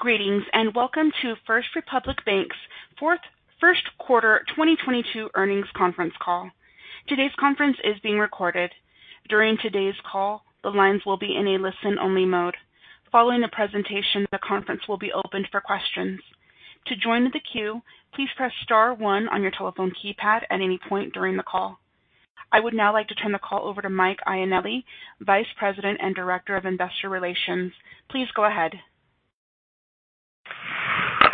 Greetings, and welcome to First Republic Bank's Q1 2022 Earnings Conference Call. Today's conference is being recorded. During today's call, the lines will be in a listen-only mode. Following the presentation, the conference will be opened for questions. To join the queue, please press star one on your telephone keypad at any point during the call. I would now like to turn the call over to Mike Ioanilli, Vice President and Director of Investor Relations. Please go ahead.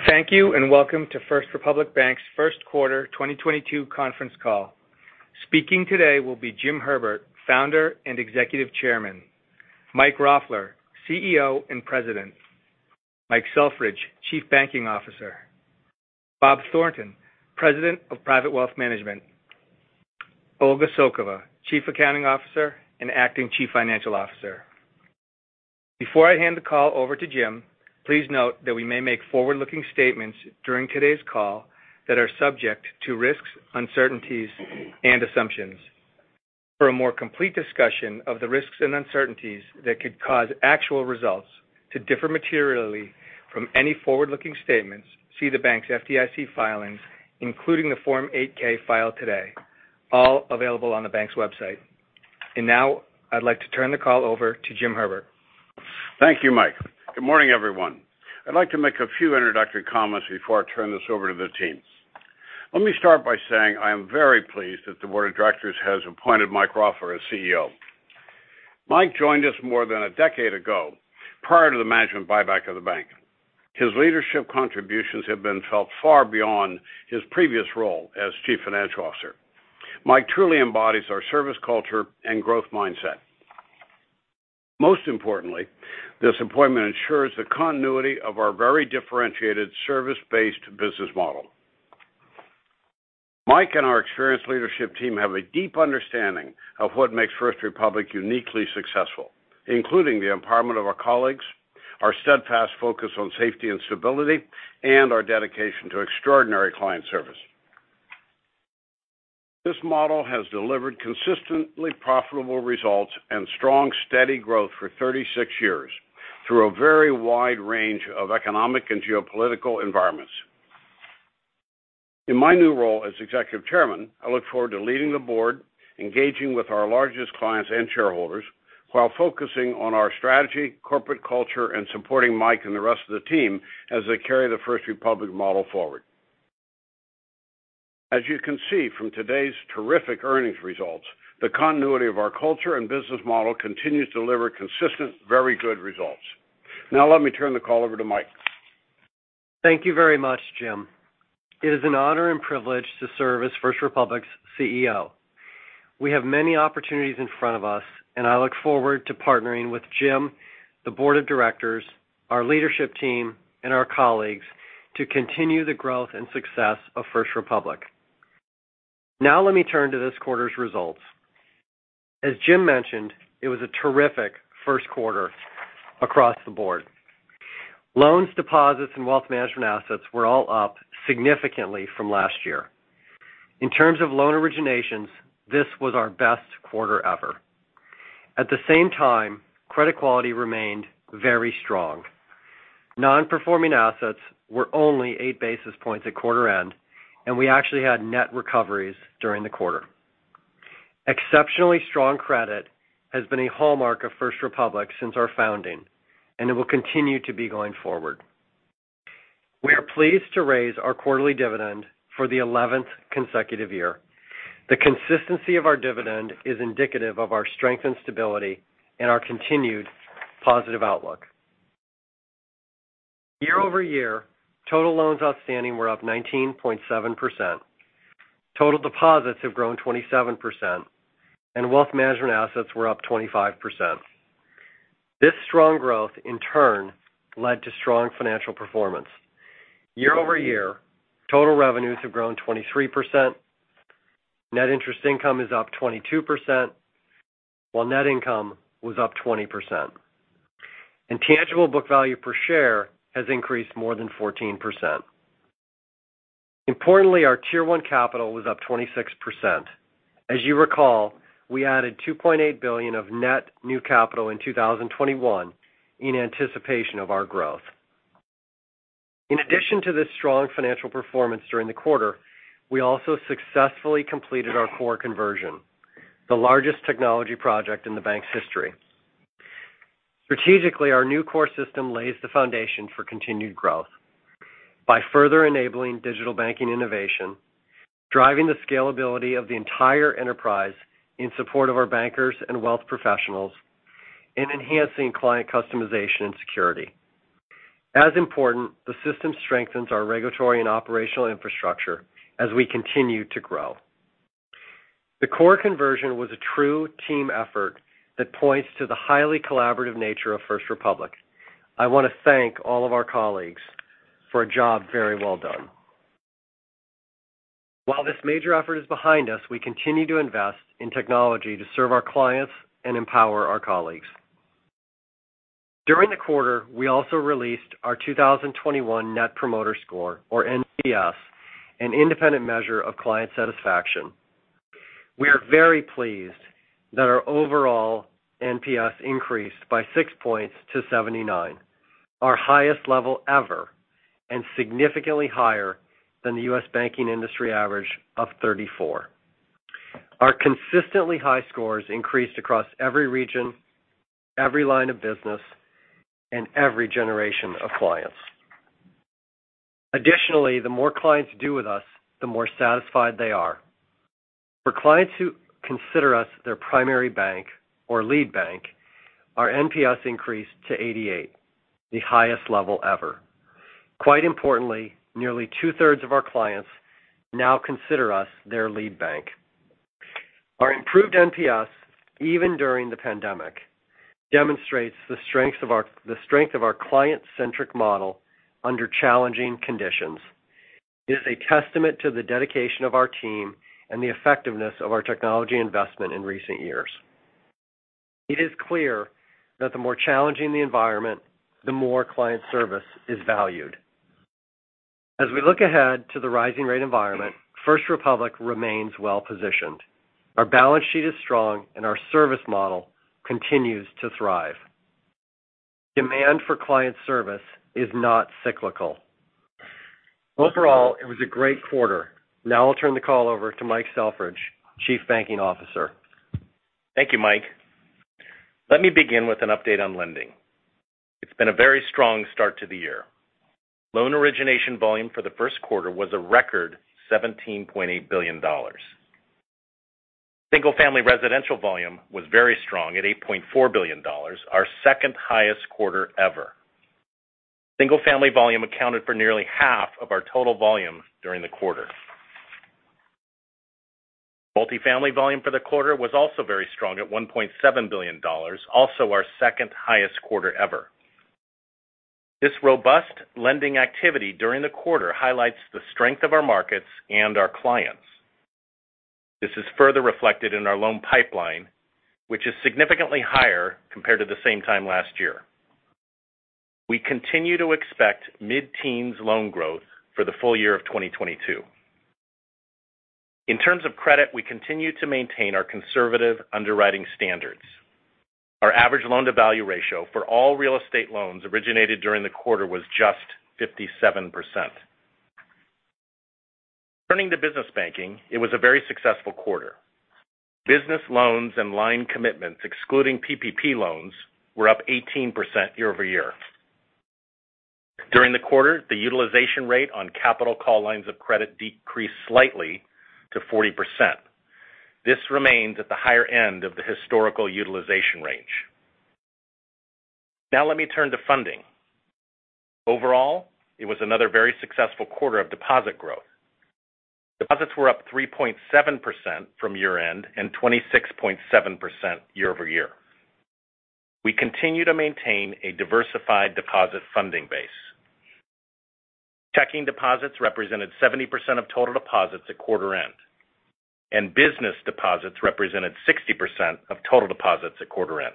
Thank you, and welcome to First Republic Bank's Q1 2022 Conference Call. Speaking today will be Jim Herbert, Founder and Executive Chairman, Mike Roffler, CEO and President, Mike Selfridge, Chief Banking Officer, Bob Thornton, President of Private Wealth Management, Olga Tsokova, Chief Accounting Officer and acting Chief Financial Officer. Before I hand the call over to Jim, please note that we may make forward-looking statements during today's call that are subject to risks, uncertainties, and assumptions. For a more complete discussion of the risks and uncertainties that could cause actual results to differ materially from any forward-looking statements, see the bank's FDIC filings, including the Form 8-K filed today, all available on the bank's website. Now I'd like to turn the call over to Jim Herbert. Thank you, Mike. Good morning, everyone. I'd like to make a few introductory comments before I turn this over to the team. Let me start by saying I am very pleased that the board of directors has appointed Mike Roffler as CEO. Mike joined us more than a decade ago prior to the management buyback of the bank. His leadership contributions have been felt far beyond his previous role as Chief Financial Officer. Mike truly embodies our service culture and growth mindset. Most importantly, this appointment ensures the continuity of our very differentiated service-based business model. Mike and our experienced leadership team have a deep understanding of what makes First Republic uniquely successful, including the empowerment of our colleagues, our steadfast focus on safety and stability, and our dedication to extraordinary client service. This model has delivered consistently profitable results and strong, steady growth for 36 years through a very wide range of economic and geopolitical environments. In my new role as Executive Chairman, I look forward to leading the board, engaging with our largest clients and shareholders while focusing on our strategy, corporate culture, and supporting Mike and the rest of the team as they carry the First Republic model forward. As you can see from today's terrific earnings results, the continuity of our culture and business model continues to deliver consistent, very good results. Now let me turn the call over to Mike. Thank you very much, Jim. It is an honor and privilege to serve as First Republic's CEO. We have many opportunities in front of us, and I look forward to partnering with Jim, the board of directors, our leadership team, and our colleagues to continue the growth and success of First Republic. Now let me turn to this quarter's results. As Jim mentioned, it was a terrific Q1 across the board. Loans, deposits, and wealth management assets were all up significantly from last year. In terms of loan originations, this was our best quarter ever. At the same time, credit quality remained very strong. Non-performing assets were only eight basis points at quarter-end, and we actually had net recoveries during the quarter. Exceptionally strong credit has been a hallmark of First Republic since our founding, and it will continue to be going forward. We are pleased to raise our quarterly dividend for the 11th consecutive year. The consistency of our dividend is indicative of our strength and stability and our continued positive outlook. Year-over-year, total loans outstanding were up 19.7%. Total deposits have grown 27%, and wealth management assets were up 25%. This strong growth in turn led to strong financial performance. Year-over-year, total revenues have grown 23%. Net interest income is up 22%, while net income was up 20%. Tangible book value per share has increased more than 14%. Importantly, our Tier 1 capital was up 26%. As you recall, we added $2.8 billion of net new capital in 2021 in anticipation of our growth. In addition to this strong financial performance during the quarter, we also successfully completed our core conversion, the largest technology project in the bank's history. Strategically, our new core system lays the foundation for continued growth by further enabling digital banking innovation, driving the scalability of the entire enterprise in support of our bankers and wealth professionals, and enhancing client customization and security. As important, the system strengthens our regulatory and operational infrastructure as we continue to grow. The core conversion was a true team effort that points to the highly collaborative nature of First Republic. I want to thank all of our colleagues for a job very well done. While this major effort is behind us, we continue to invest in technology to serve our clients and empower our colleagues. During the quarter, we also released our 2021 Net Promoter Score, or NPS, an independent measure of client satisfaction. We are very pleased that our overall NPS increased by 6 points to 79 points, our highest level ever, and significantly higher than the US banking industry average of 34. Our consistently high scores increased across every region, every line of business, and every generation of clients. Additionally, the more clients do with us, the more satisfied they are. For clients who consider us their primary bank or lead bank, our NPS increased to 88 points, the highest level ever. Quite importantly, nearly two-thirds of our clients now consider us their lead bank. Our improved NPS, even during the pandemic, demonstrates the strength of our client-centric model under challenging conditions, is a testament to the dedication of our team and the effectiveness of our technology investment in recent years. It is clear that the more challenging the environment, the more client service is valued. As we look ahead to the rising rate environment, First Republic remains well positioned. Our balance sheet is strong, and our service model continues to thrive. Demand for client service is not cyclical. Overall, it was a great quarter. Now I'll turn the call over to Mike Selfridge, Chief Banking Officer. Thank you, Mike. Let me begin with an update on lending. It's been a very strong start to the year. Loan origination volume for the Q1 was a record $17.8 billion. Single-family residential volume was very strong at $8.4 billion, our second-highest quarter ever. Single-family volume accounted for nearly half of our total volume during the quarter. Multifamily volume for the quarter was also very strong at $1.7 billion, also our second-highest quarter ever. This robust lending activity during the quarter highlights the strength of our markets and our clients. This is further reflected in our loan pipeline, which is significantly higher compared to the same time last year. We continue to expect mid-teens loan growth for the full year of 2022. In terms of credit, we continue to maintain our conservative underwriting standards. Our average loan-to-value ratio for all real estate loans originated during the quarter was just 57%. Turning to business banking, it was a very successful quarter. Business loans and line commitments, excluding PPP loans, were up 18% year-over-year. During the quarter, the utilization rate on capital call lines of credit decreased slightly to 40%. This remains at the higher end of the historical utilization range. Now let me turn to funding. Overall, it was another very successful quarter of deposit growth. Deposits were up 3.7% from year-end and 26.7% year-over-year. We continue to maintain a diversified deposit funding base. Checking deposits represented 70% of total deposits at quarter-end, and business deposits represented 60% of total deposits at quarter-end.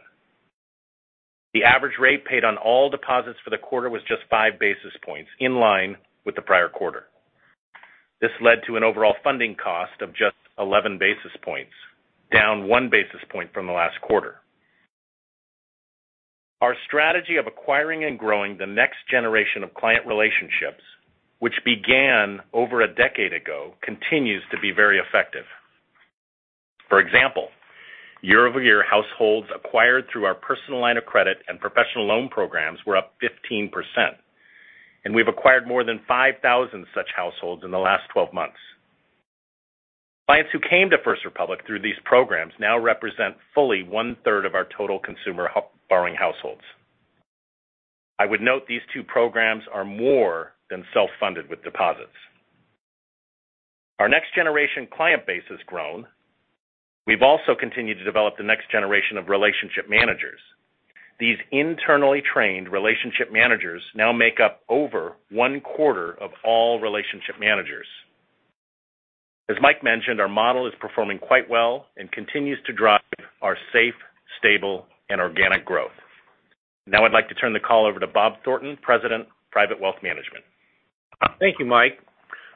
The average rate paid on all deposits for the quarter was just 5 basis points, in line with the prior quarter. This led to an overall funding cost of just 11 basis points, down 1 basis point from the last quarter. Our strategy of acquiring and growing the next generation of client relationships, which began over a decade ago, continues to be very effective. For example, year-over-year households acquired through our personal line of credit and professional loan programs were up 15%, and we've acquired more than 5,000 such households in the last 12-months. Clients who came to First Republic through these programs now represent fully one-third of our total consumer borrowing households. I would note these two programs are more than self-funded with deposits. Our next generation client base has grown. We've also continued to develop the next generation of relationship managers. These internally trained relationship managers now make up over one-quarter of all relationship managers. As Mike mentioned, our model is performing quite well and continues to drive our safe, stable, and organic growth. Now I'd like to turn the call over to Bob Thornton, President, Private Wealth Management. Thank you, Mike.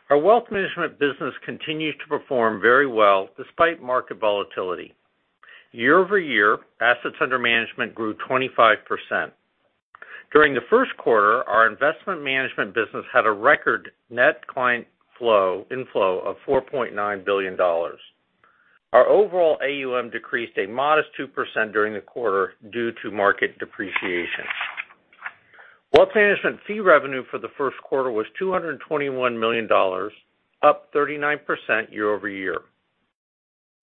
Our wealth management business continues to perform very well despite market volatility. Year-over-year, assets under management grew 25%. During the Q1, our investment management business had a record net client inflow of $4.9 billion. Our overall AUM decreased a modest 2% during the quarter due to market depreciation. Wealth management fee revenue for the Q1 was $221 million, up 39% year-over-year.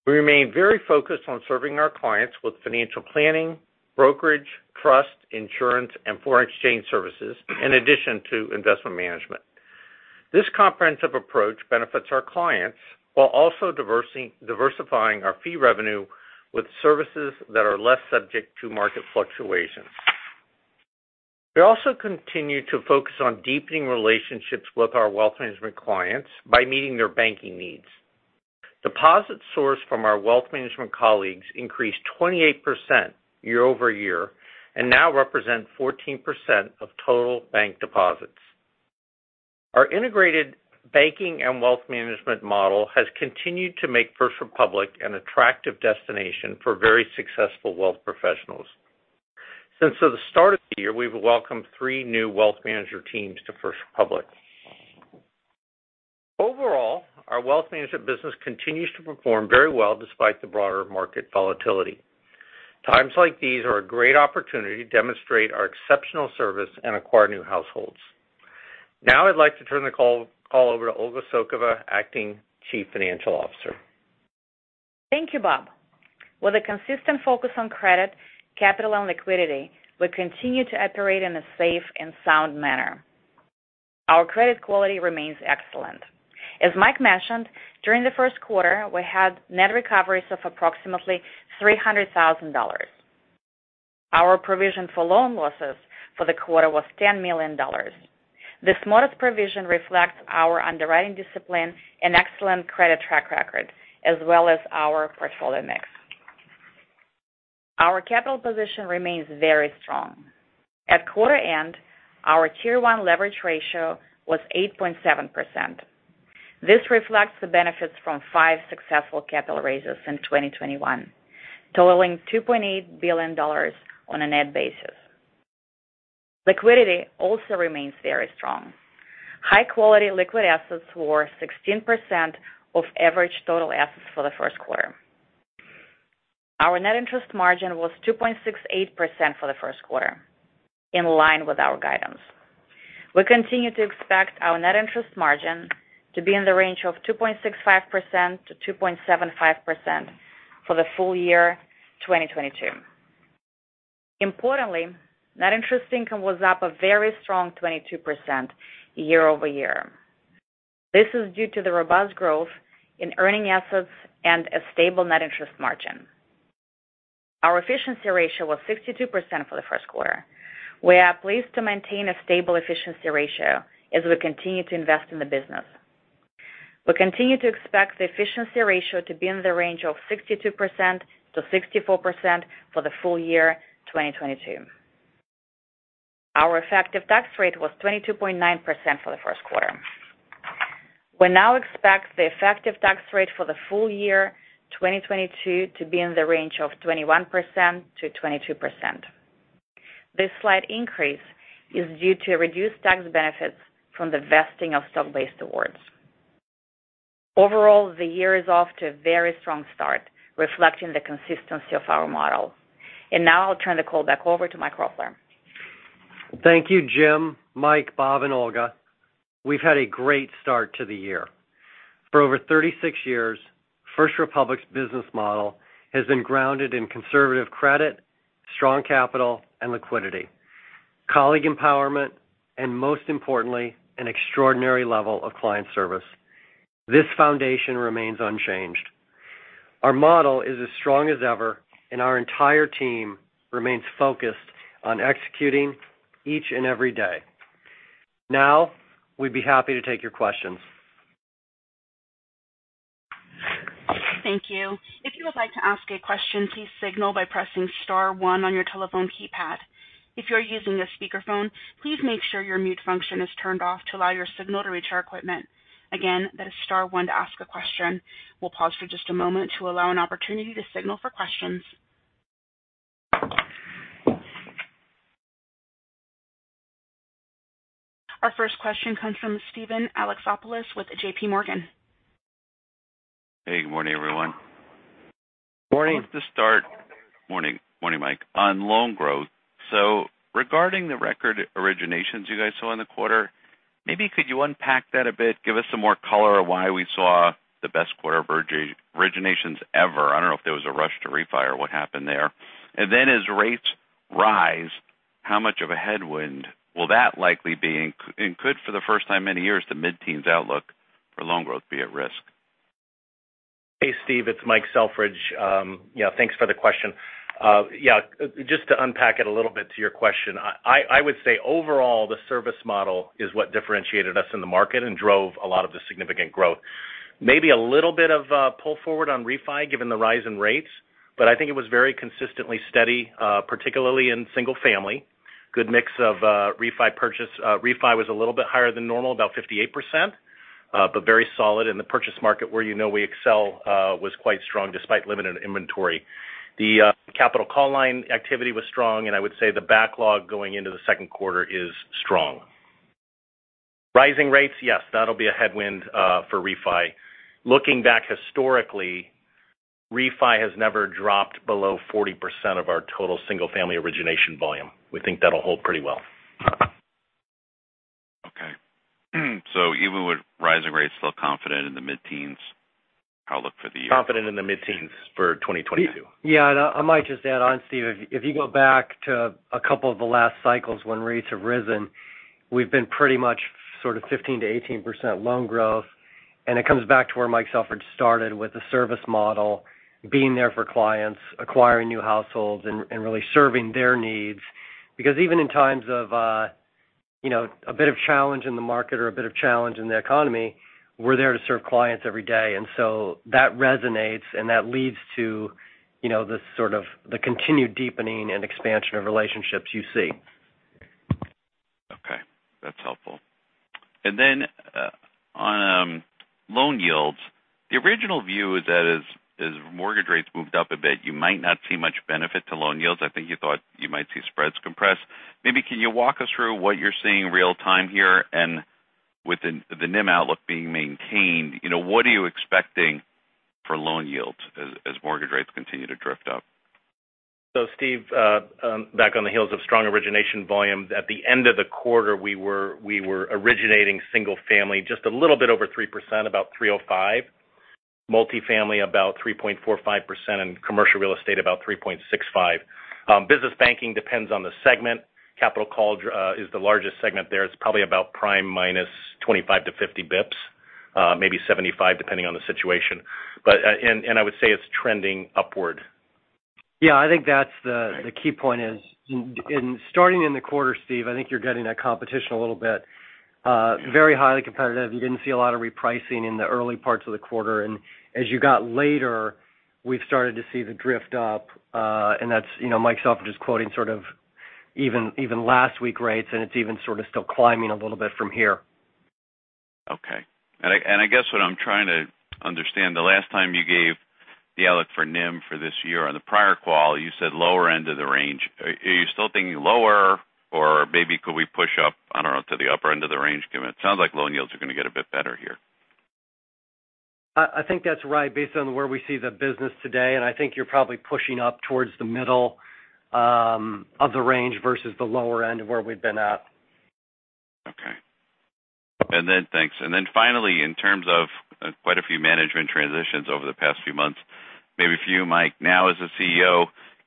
We remain very focused on serving our clients with financial planning, brokerage, trust, insurance, and foreign exchange services in addition to investment management. This comprehensive approach benefits our clients while also diversifying our fee revenue with services that are less subject to market fluctuations. We also continue to focus on deepening relationships with our wealth management clients by meeting their banking needs. Deposits sourced from our wealth management colleagues increased 28% year-over-year and now represent 14% of total bank deposits. Our integrated banking and wealth management model has continued to make First Republic an attractive destination for very successful wealth professionals. Since the start, we've welcomed 3 new wealth manager teams to First Republic. Overall, our wealth management business continues to perform very well despite the broader market volatility. Times like these are a great opportunity to demonstrate our exceptional service and acquire new households. Now I'd like to turn the call over to Olga Tsokova, Acting Chief Financial Officer. Thank you, Bob. With a consistent focus on credit, capital, and liquidity, we continue to operate in a safe and sound manner. Our credit quality remains excellent. As Mike mentioned, during the Q1, we had net recoveries of approximately $300,000. Our provision for loan losses for the quarter was $10 million. This modest provision reflects our underwriting discipline and excellent credit track record as well as our portfolio mix. Our capital position remains very strong. At quarter-end, our Tier 1 leverage ratio was 8.7%. This reflects the benefits from 5 successful capital raises since 2021, totaling $2.8 billion on a net basis. Liquidity also remains very strong. High-quality liquid assets were 16% of average total assets for the Q1. Our net interest margin was 2.68% for the Q1, in line with our guidance. We continue to expect our net interest margin to be in the range of 2.65% to 2.75% for the full year 2022. Importantly, net interest income was up a very strong 22% year-over-year. This is due to the robust growth in earning assets and a stable net interest margin. Our efficiency ratio was 62% for the Q1. We are pleased to maintain a stable efficiency ratio as we continue to invest in the business. We continue to expect the efficiency ratio to be in the range of 62% to 64% for the full year 2022. Our effective tax rate was 22.9% for the Q1. We now expect the effective tax rate for the full year 2022 to be in the range of 21% to 22%. This slight increase is due to reduced tax benefits from the vesting of stock-based awards. Overall, the year is off to a very strong start, reflecting the consistency of our model. Now I'll turn the call back over to Mike Roffler. Thank you, Jim, Mike, Bob, and Olga. We've had a great start to the year. For over 36 years, First Republic's business model has been grounded in conservative credit, strong capital and liquidity, colleague empowerment, and most importantly, an extraordinary level of client service. This foundation remains unchanged. Our model is as strong as ever, and our entire team remains focused on executing each and every day. Now, we'd be happy to take your questions. Thank you. If you would like to ask a question, please signal by pressing star one on your telephone keypad. If you're using a speakerphone, please make sure your mute function is turned off to allow your signal to reach our equipment. Again, that is star one to ask a question. We'll pause for just a moment to allow an opportunity to signal for questions. Our first question comes from Steven Alexopoulos with JPMorgan. Hey, good morning, everyone. Morning. Morning. Morning, Mike. On loan growth. Regarding the record originations you guys saw in the quarter, maybe could you unpack that a bit? Give us some more color on why we saw the best quarter of originations ever. I don't know if there was a rush to refi or what happened there. Then as rates rise, how much of a headwind will that likely be? Could, for the first time in many years, the mid-teens outlook for loan growth be at risk? Hey, Steve, it's Mike Selfridge. Yeah, thanks for the question. Yeah, just to unpack it a little bit to your question, I would say overall, the service model is what differentiated us in the market and drove a lot of the significant growth. Maybe a little bit of pull forward on refi, given the rise in rates, but I think it was very consistently steady, particularly in single family. Good mix of refi purchase. Refi was a little bit higher than normal, about 58%, but very solid. In the purchase market where you know we excel, was quite strong despite limited inventory. The capital call line activity was strong, and I would say the backlog going into the Q2 is strong. Rising rates, yes, that'll be a headwind for refi. Looking back historically, refi has never dropped below 40% of our total single-family origination volume. We think that'll hold pretty well. Okay. So, even with rising rates, still confident in the mid-teens outlook for the year. Confident in the mid-teens for 2022. I might just add on, Steve, if you go back to a couple of the last cycles when rates have risen, we've been pretty much sort of 15% to 18% loan growth. It comes back to where Mike Selfridge started with the service model, being there for clients, acquiring new households, and really serving their needs. Because even in times of, you know, a bit of challenge in the market or a bit of challenge in the economy, we're there to serve clients every day. That resonates and that leads to, you know, the sort of continued deepening and expansion of relationships you see. Okay. That's helpful. On loan yields, the original view is that as mortgage rates moved up a bit, you might not see much benefit to loan yields. I think you thought you might see spreads compress. Maybe can you walk us through what you're seeing real-time here and within the NIM outlook being maintained, you know, what are you expecting for loan yields as mortgage rates continue to drift up? Steve, back on the heels of strong origination volumes. At the end of the quarter, we were originating single family just a little bit over 3%, about 3.05%. Multifamily, about 3.45%. And commercial real estate, about 3.65%. Business banking depends on the segment. Capital call is the largest segment there. It's probably about prime minus 25 to 50 basis points, maybe 75, depending on the situation. And I would say it's trending upward. Yeah, I think that's the key point is in starting in the quarter, Steve, I think you're getting that competition a little bit, very highly competitive. You didn't see a lot of repricing in the early parts of the quarter. As you got later, we've started to see the drift up. That's, you know, Mike Selfridge is quoting sort of even last week rates, and it's even sort of still climbing a little bit from here. Okay. I guess what I'm trying to understand, the last time you gave the outlook for NIM for this year on the prior call, you said lower end of the range. Are you still thinking lower or maybe could we push up, I don't know, to the upper end of the range? Given it sounds like loan yields are going to get a bit better here. I think that's right, based on where we see the business today. I think you're probably pushing up towards the middle, of the range versus the lower end of where we've been at. Okay. Thanks. Finally, in terms of quite a few management transitions over the past few months, maybe for you, Mike, now as CEO,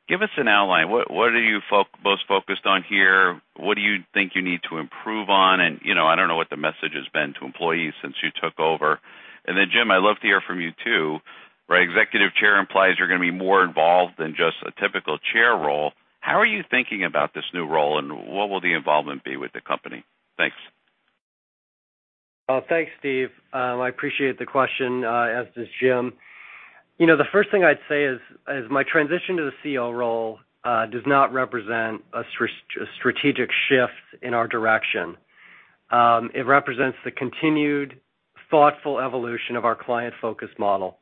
give us an outline. What are you most focused on here? What do you think you need to improve on? You know, I don't know what the message has been to employees since you took over. Jim, I'd love to hear from you too. Right. Executive Chairman implies you're going to be more involved than just a typical chairman role. How are you thinking about this new role, and what will the involvement be with the company? Thanks. Well, thanks, Steve. I appreciate the question, as does Jim. You know, the first thing I'd say is my transition to the CEO role does not represent a strategic shift in our direction. It represents the continued thoughtful evolution of our client-focused model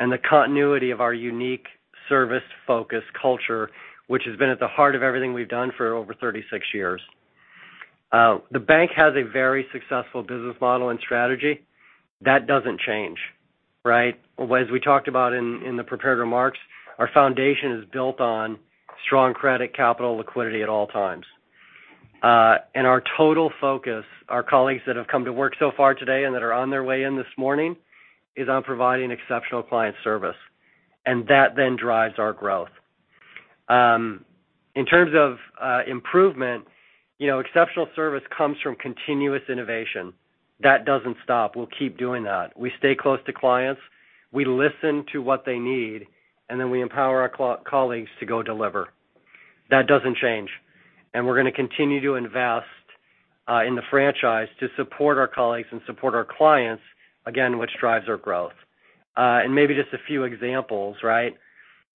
and the continuity of our unique service-focused culture, which has been at the heart of everything we've done for over 36 years. The bank has a very successful business model and strategy. That doesn't change, right? As we talked about in the prepared remarks, our foundation is built on strong credit, capital, liquidity at all times. Our total focus, our colleagues that have come to work so far today and that are on their way in this morning, is on providing exceptional client service. That then drives our growth. In terms of improvement, you know, exceptional service comes from continuous innovation. That doesn't stop. We'll keep doing that. We stay close to clients. We listen to what they need, and then we empower our colleagues to go deliver. That doesn't change. We're going to continue to invest in the franchise to support our colleagues and support our clients, again, which drives our growth. Maybe just a few examples, right?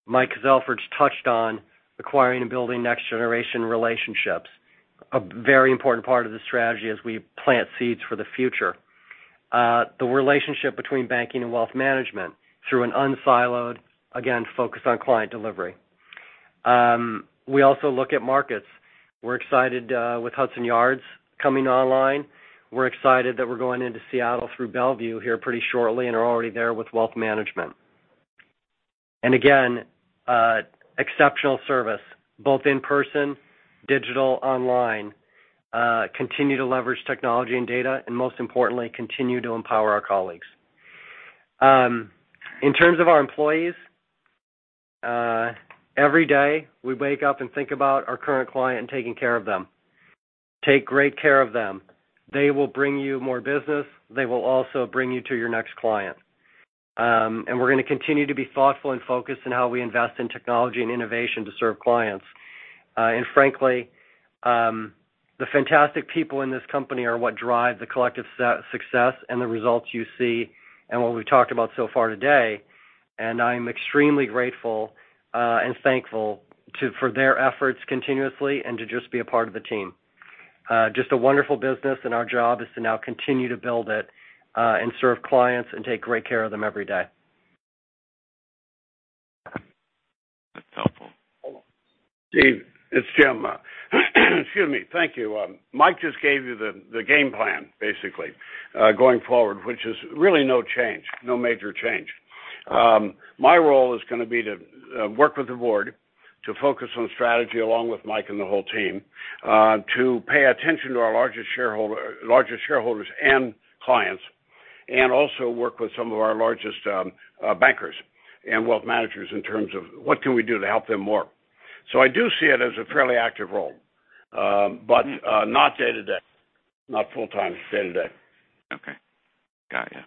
Mike Selfridge touched on acquiring and building next generation relationships. A very important part of the strategy as we plant seeds for the future. The relationship between banking and wealth management through an unsiloed, again, focused on client delivery. We also look at markets. We're excited with Hudson Yards coming online. We're excited that we're going into Seattle through Bellevue here pretty shortly and are already there with wealth management. Again, exceptional service, both in person, digital, online, continue to leverage technology and data, and most importantly, continue to empower our colleagues. In terms of our employees, every day, we wake up and think about our current client and taking care of them. Take great care of them. They will bring you more business. They will also bring you to your next client. We're going to continue to be thoughtful and focused in how we invest in technology and innovation to serve clients. Frankly, the fantastic people in this company are what drive the collective success and the results you see and what we've talked about so far today. I'm extremely grateful and thankful for their efforts continuously and to just be a part of the team. Just a wonderful business and our job is to now continue to build it, and serve clients and take great care of them every day. That's helpful. Steve, it's Jim. Excuse me. Thank you. Mike just gave you the game plan basically going forward, which is really no change, no major change. My role is going to be to work with the board to focus on strategy along with Mike and the whole team to pay attention to our largest shareholders and clients, and also work with some of our largest bankers and wealth managers in terms of what can we do to help them more. I do see it as a fairly active role, but not day-to-day. Not full-time day-to-day. Okay. Got you.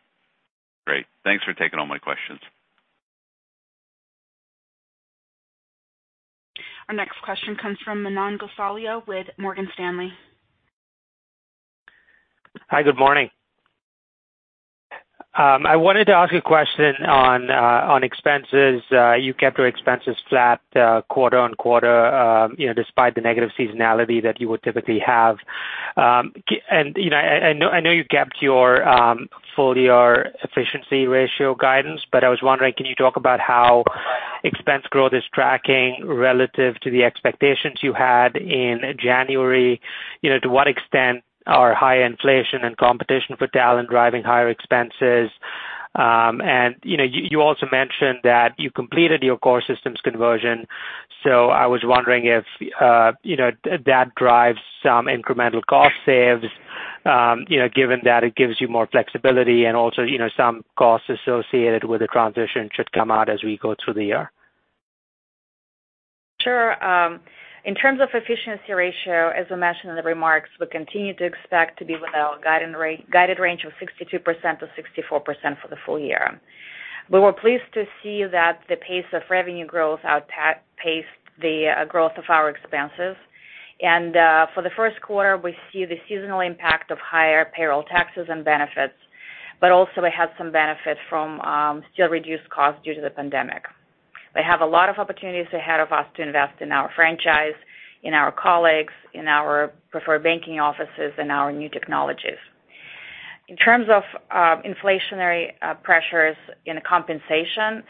Great. Thanks for taking all my questions. Our next question comes from Manan Gosalia with Morgan Stanley. Hi, good morning. I wanted to ask a question on expenses. You kept your expenses flat quarter-over-quarter, you know, despite the negative seasonality that you would typically have. You know, I know you kept your full year efficiency ratio guidance, but I was wondering, can you talk about how expense growth is tracking relative to the expectations you had in January? You know, to what extent are high inflation and competition for talent driving higher expenses? You also mentioned that you completed your core systems conversion, so I was wondering if that drives some incremental cost savings, you know, given that it gives you more flexibility and also, you know, some costs associated with the transition should come out as we go through the year. Sure. In terms of efficiency ratio, as I mentioned in the remarks, we continue to expect to be within our guided range of 62% to 64% for the full year. We were pleased to see that the pace of revenue growth outpaced the growth of our expenses. For the Q1, we see the seasonal impact of higher payroll taxes and benefits, but also we have some benefit from still reduced costs due to the pandemic. We have a lot of opportunities ahead of us to invest in our franchise, in our colleagues, in our preferred banking offices, and our new technologies. In terms of inflationary pressures in compensation,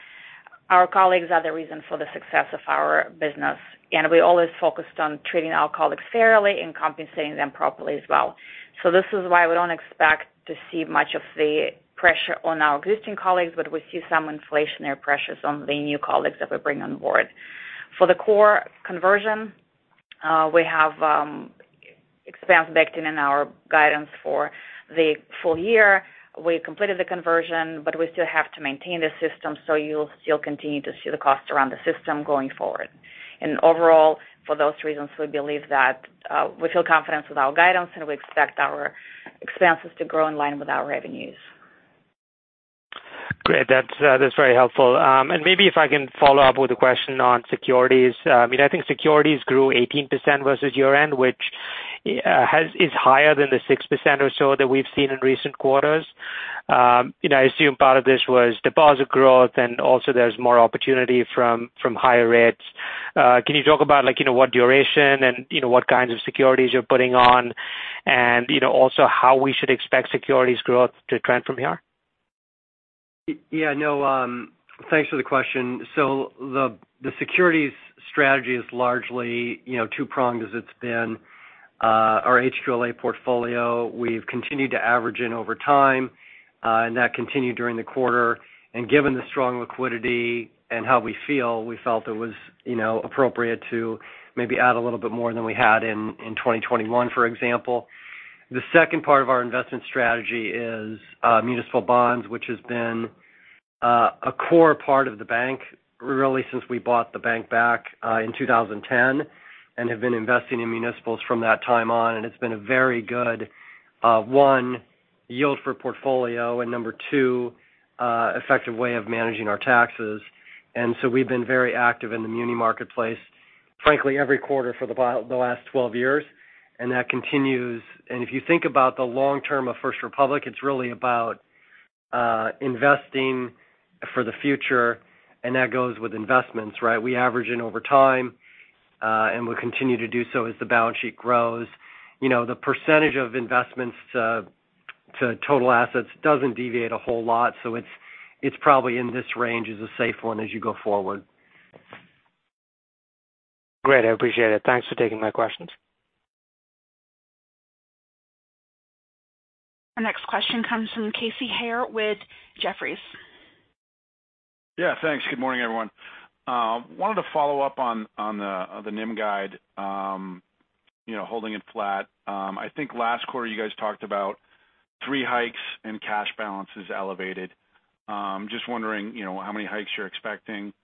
our colleagues are the reason for the success of our business, and we're always focused on treating our colleagues fairly and compensating them properly as well. This is why we don't expect to see much of the pressure on our existing colleagues, but we see some inflationary pressures on the new colleagues that we bring on board. For the core conversion, we have expense backed in our guidance for the full year. We completed the conversion, but we still have to maintain the system, so you'll still continue to see the cost around the system going forward. Overall, for those reasons, we believe that, we feel confident with our guidance, and we expect our expenses to grow in line with our revenues. Great. That's very helpful. Maybe if I can follow up with a question on securities. I mean, I think securities grew 18% versus your end, which is higher than the 6% or so that we've seen in recent quarters. You know, I assume part of this was deposit growth and also there's more opportunity from higher rates. Can you talk about like, you know, what duration and, you know, what kinds of securities you're putting on? You know, also how we should expect securities growth to trend from here? Yeah, no, thanks for the question. So the securities strategy is largely, you know, two-pronged as it's been. Our HQLA portfolio, we've continued to average in over time, and that continued during the quarter. Given the strong liquidity and how we feel, we felt it was, you know, appropriate to maybe add a little bit more than we had in, 2021, for example. The second part of our investment strategy is, municipal bonds, which has been, a core part of the bank really since we bought the bank back, in 2010 and have been investing in municipals from that time on. It's been a very good, one, yield for portfolio, and number two, effective way of managing our taxes. We've been very active in the muni marketplace, frankly, every quarter for the last 12 years, and that continues. If you think about the long term of First Republic, it's really about investing for the future, and that goes with investments, right? We average in over time, and we continue to do so as the balance sheet grows. You know, the percentage of investments to total assets doesn't deviate a whole lot. It's probably in this range is a safe one as you go forward. Great. I appreciate it. Thanks for taking my questions. Our next question comes from Casey Haire with Jefferies. Yeah, thanks. Good morning, everyone. Wanted to follow up on the NIM guide, you know, holding it flat. I think last quarter you guys talked about three hikes and cash balances elevated. Just wondering, you know, how many hikes you're expecting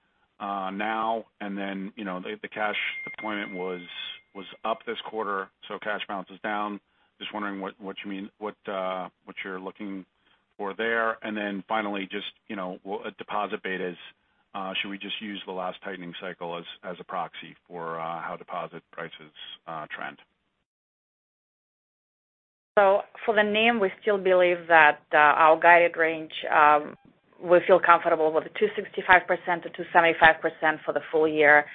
now, and then, you know, the cash deployment was up this quarter, so cash balance is down. Just wondering what you mean, what you're looking for there. Then finally, just, you know, deposit betas, should we just use the last tightening cycle as a proxy for how deposit prices trend? For the NIM, we still believe that our guided range, we feel comfortable with 2.65% to 2.75% for the full year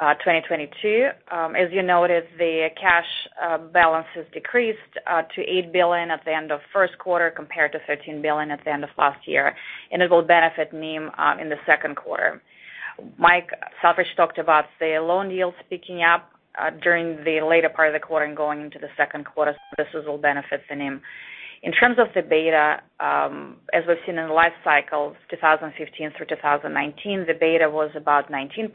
2022. As you noticed, the cash balance has decreased to $8 billion at the end of Q1 compared to $13 billion at the end of last year. It will benefit NIM in the Q2. Mike Selfridge talked about the loan yields picking up during the later part of the quarter and going into the Q2. This will benefit the NIM. In terms of the beta, as we've seen in the rate cycles, 2015 through 2019, the beta was about 19%.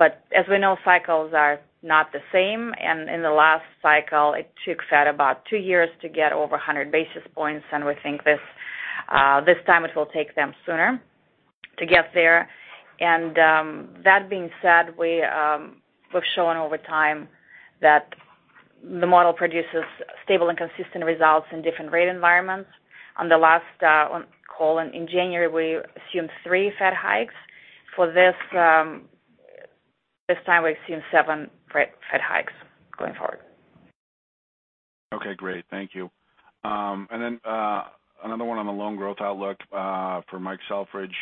As we know, cycles are not the same. In the last cycle, it took us about two years to get over 100 basis points. We think this time it will take them sooner to get there. That being said, we've shown over time that the model produces stable and consistent results in different rate environments. On the last call in January, we assumed 3 Fed hikes. For this time, we've seen 7 Fed hikes going forward. Okay, great. Thank you. Then, another one on the loan growth outlook for Mike Selfridge.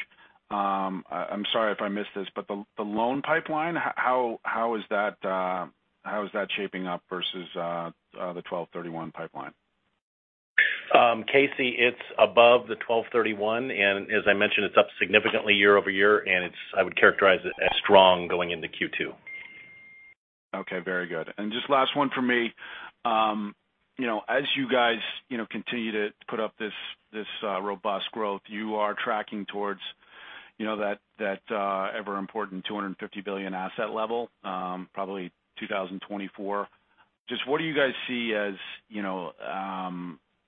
I'm sorry if I missed this, but the loan pipeline, how is that shaping up versus the 12/31 pipeline? Casey, it's above the 12/31, and as I mentioned, it's up significantly year-over-year, and it's. I would characterize it as strong going into Q2. Okay, very good. Just last one from me. You know, as you guys, you know, continue to put up this robust growth, you are tracking towards, you know, that ever important $250 billion asset level, probably 2024. Just what do you guys see as, you know,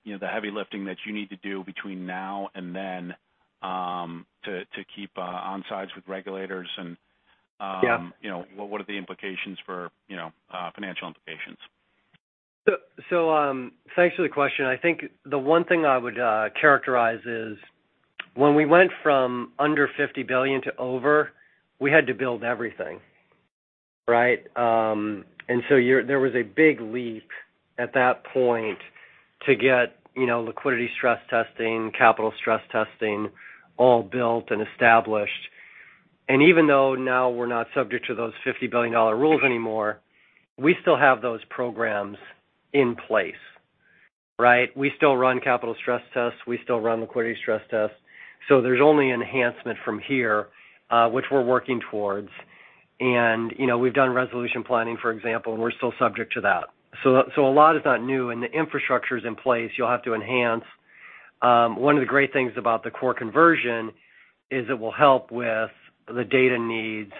you know, the heavy lifting that you need to do between now and then, to keep onside with regulators and- Yeah. You know, what are the implications for, you know, financial implications? Thanks for the question. I think the one thing I would characterize is when we went from under $50 billion to over $50 billion, we had to build everything, right? There was a big leap at that point to get, you know, liquidity stress testing, capital stress testing, all built and established. Even though now we're not subject to those $50 billion rules anymore, we still have those programs in place, right? We still run capital stress tests. We still run liquidity stress tests. There's only enhancement from here, which we're working towards. You know, we've done resolution planning, for example, and we're still subject to that. A lot is not new, and the infrastructure's in place. You'll have to enhance. One of the great things about the core conversion is it will help with the data needs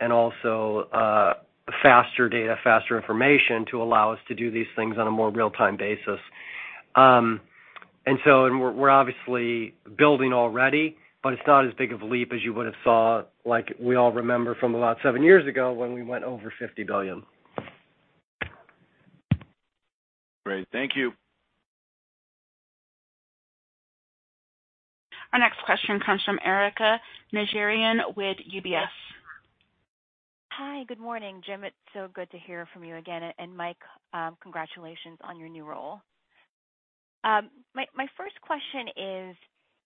and also faster data, faster information to allow us to do these things on a more real-time basis. We're obviously building already, but it's not as big of a leap as you would have saw, like we all remember from about seven years ago when we went over $50 billion. Great. Thank you. Our next question comes from Erika Najarian with UBS. Hi. Good morning, Jim. It's so good to hear from you again. And Mike, congratulations on your new role. My first question is,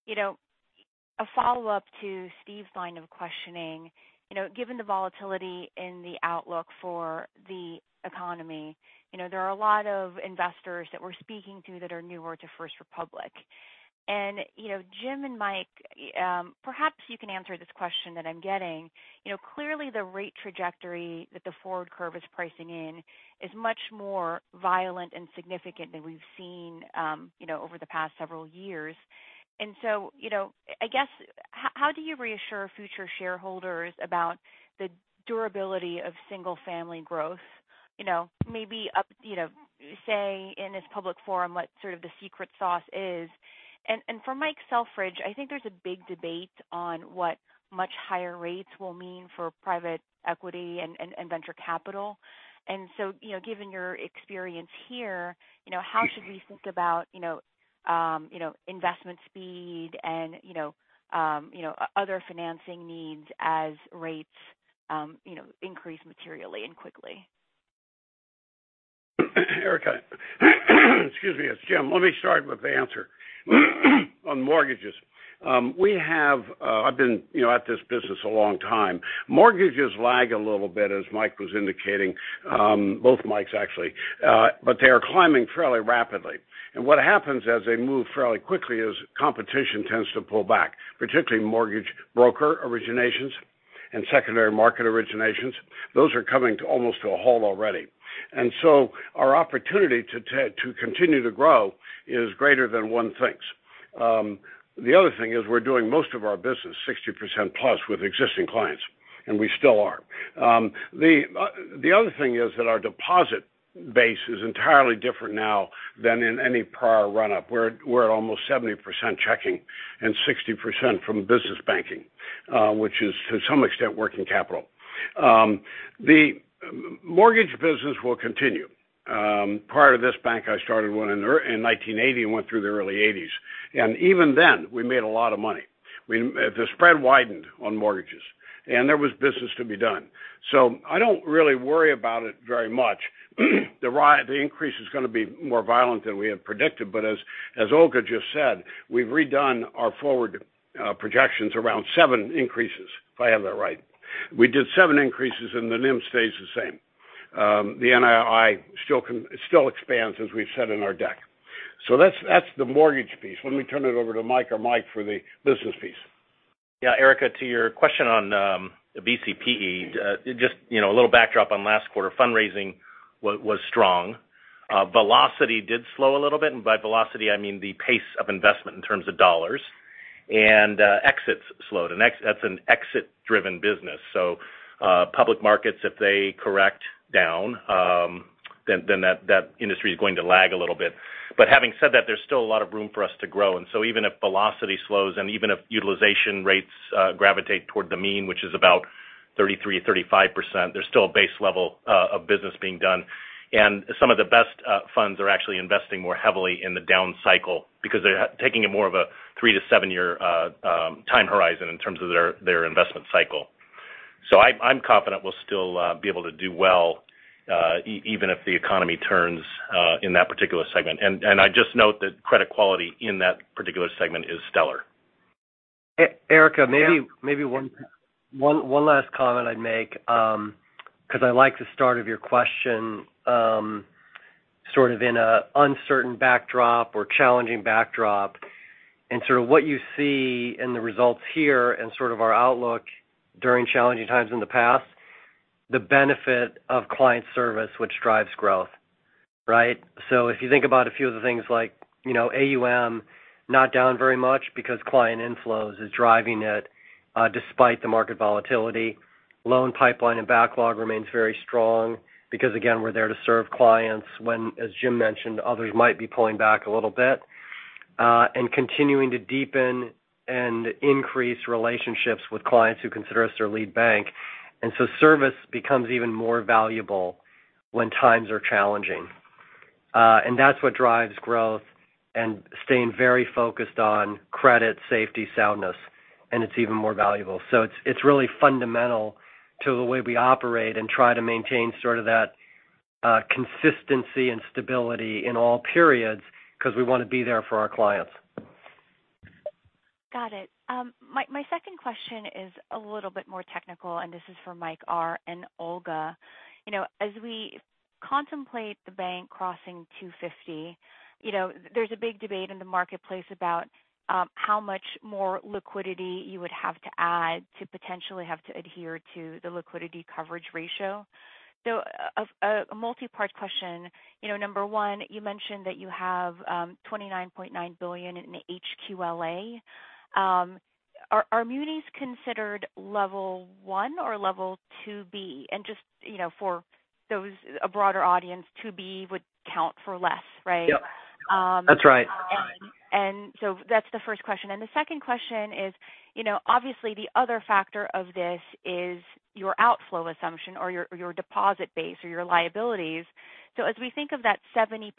you know, a follow-up to Steve's line of questioning. You know, given the volatility in the outlook for the economy, you know, there are a lot of investors that we're speaking to that are newer to First Republic. You know, Jim and Mike, perhaps you can answer this question that I'm getting. You know, clearly the rate trajectory that the forward curve is pricing in is much more violent and significant than we've seen, you know, over the past several years. You know, I guess, how do you reassure future shareholders about the durability of single-family growth? You know, maybe, you know, say in this public forum, what the secret sauce is. For Mike Selfridge, I think there's a big debate on what much higher rates will mean for private equity and venture capital. You know, given your experience here, you know, how should we think about you know, investment speed and, you know, other financing needs as rates you know, increase materially and quickly? Erika. Excuse me. It's Jim. Let me start with the answer on mortgages. We have, I've been, you know, at this business a long time. Mortgages lag a little bit, as Mike was indicating, both Mikes actually. They are climbing fairly rapidly. What happens as they move fairly quickly is competition tends to pull back, particularly mortgage broker originations and secondary market originations. Those are coming almost to a halt already. Our opportunity to continue to grow is greater than one thinks. The other thing is we're doing most of our business 60%+ with existing clients, and we still are. The other thing is that our deposit base is entirely different now than in any prior run-up. We're at almost 70% checking and 60% from business banking, which is to some extent, working capital. The mortgage business will continue. Part of this bank I started when in 1980 and went through the early 1980s. Even then, we made a lot of money. The spread widened on mortgages, and there was business to be done. I don't really worry about it very much. The increase is gonna be more violent than we had predicted. As Olga just said, we've redone our forward projections around 7 increases, if I have that right. We did 7 increases, and the NIM stays the same. The NII still expands, as we've said in our deck. That's the mortgage piece. Let me turn it over to Mike or Mike for the business piece. Yeah, Erika Najarian, to your question on VC/PE, just, you know, a little backdrop on last quarter. Fundraising was strong. Velocity did slow a little bit, and by velocity, I mean the pace of investment in terms of dollars. Exits slowed. That's an exit-driven business. Public markets, if they correct down, then that industry is going to lag a little bit. Having said that, there's still a lot of room for us to grow. Even if velocity slows and even if utilization rates gravitate toward the mean, which is about 33% to 35%. There's still a base level of business being done. Some of the best funds are actually investing more heavily in the down cycle because they're taking more of a three to seven year time horizon in terms of their investment cycle. I'm confident we'll still be able to do well even if the economy turns in that particular segment. I just note that credit quality in that particular segment is stellar. Erika, maybe one last comment I'd make, 'cause I like the start of your question, sort of in an uncertain backdrop or challenging backdrop and sort of what you see in the results here and sort of our outlook during challenging times in the past, the benefit of client service, which drives growth, right? If you think about a few of the things like, you know, AUM not down very much because client inflows is driving it, despite the market volatility. Loan pipeline and backlog remains very strong because again, we're there to serve clients when, as Jim mentioned, others might be pulling back a little bit. Continuing to deepen and increase relationships with clients who consider us their lead bank. Service becomes even more valuable when times are challenging. That's what drives growth and staying very focused on credit safety soundness, and it's even more valuable. It's really fundamental to the way we operate and try to maintain sort of that, consistency and stability in all periods because we want to be there for our clients. Got it. My second question is a little bit more technical, and this is for Mike Roffler and Olga Tsokova. You know, as we contemplate the bank crossing $250 million, you know, there's a big debate in the marketplace about how much more liquidity you would have to add to potentially have to adhere to the liquidity coverage ratio. A multi-part question. You know, number one, you mentioned that you have $29.9 billion in HQLA. Are munis considered Level 1 or Level 2B? And just, you know, for those, a broader audience, 2B would count for less, right? Yep. That's right. That's the first question. The second question is, you know, obviously the other factor of this is your outflow assumption or your deposit base or your liabilities. As we think of that 70%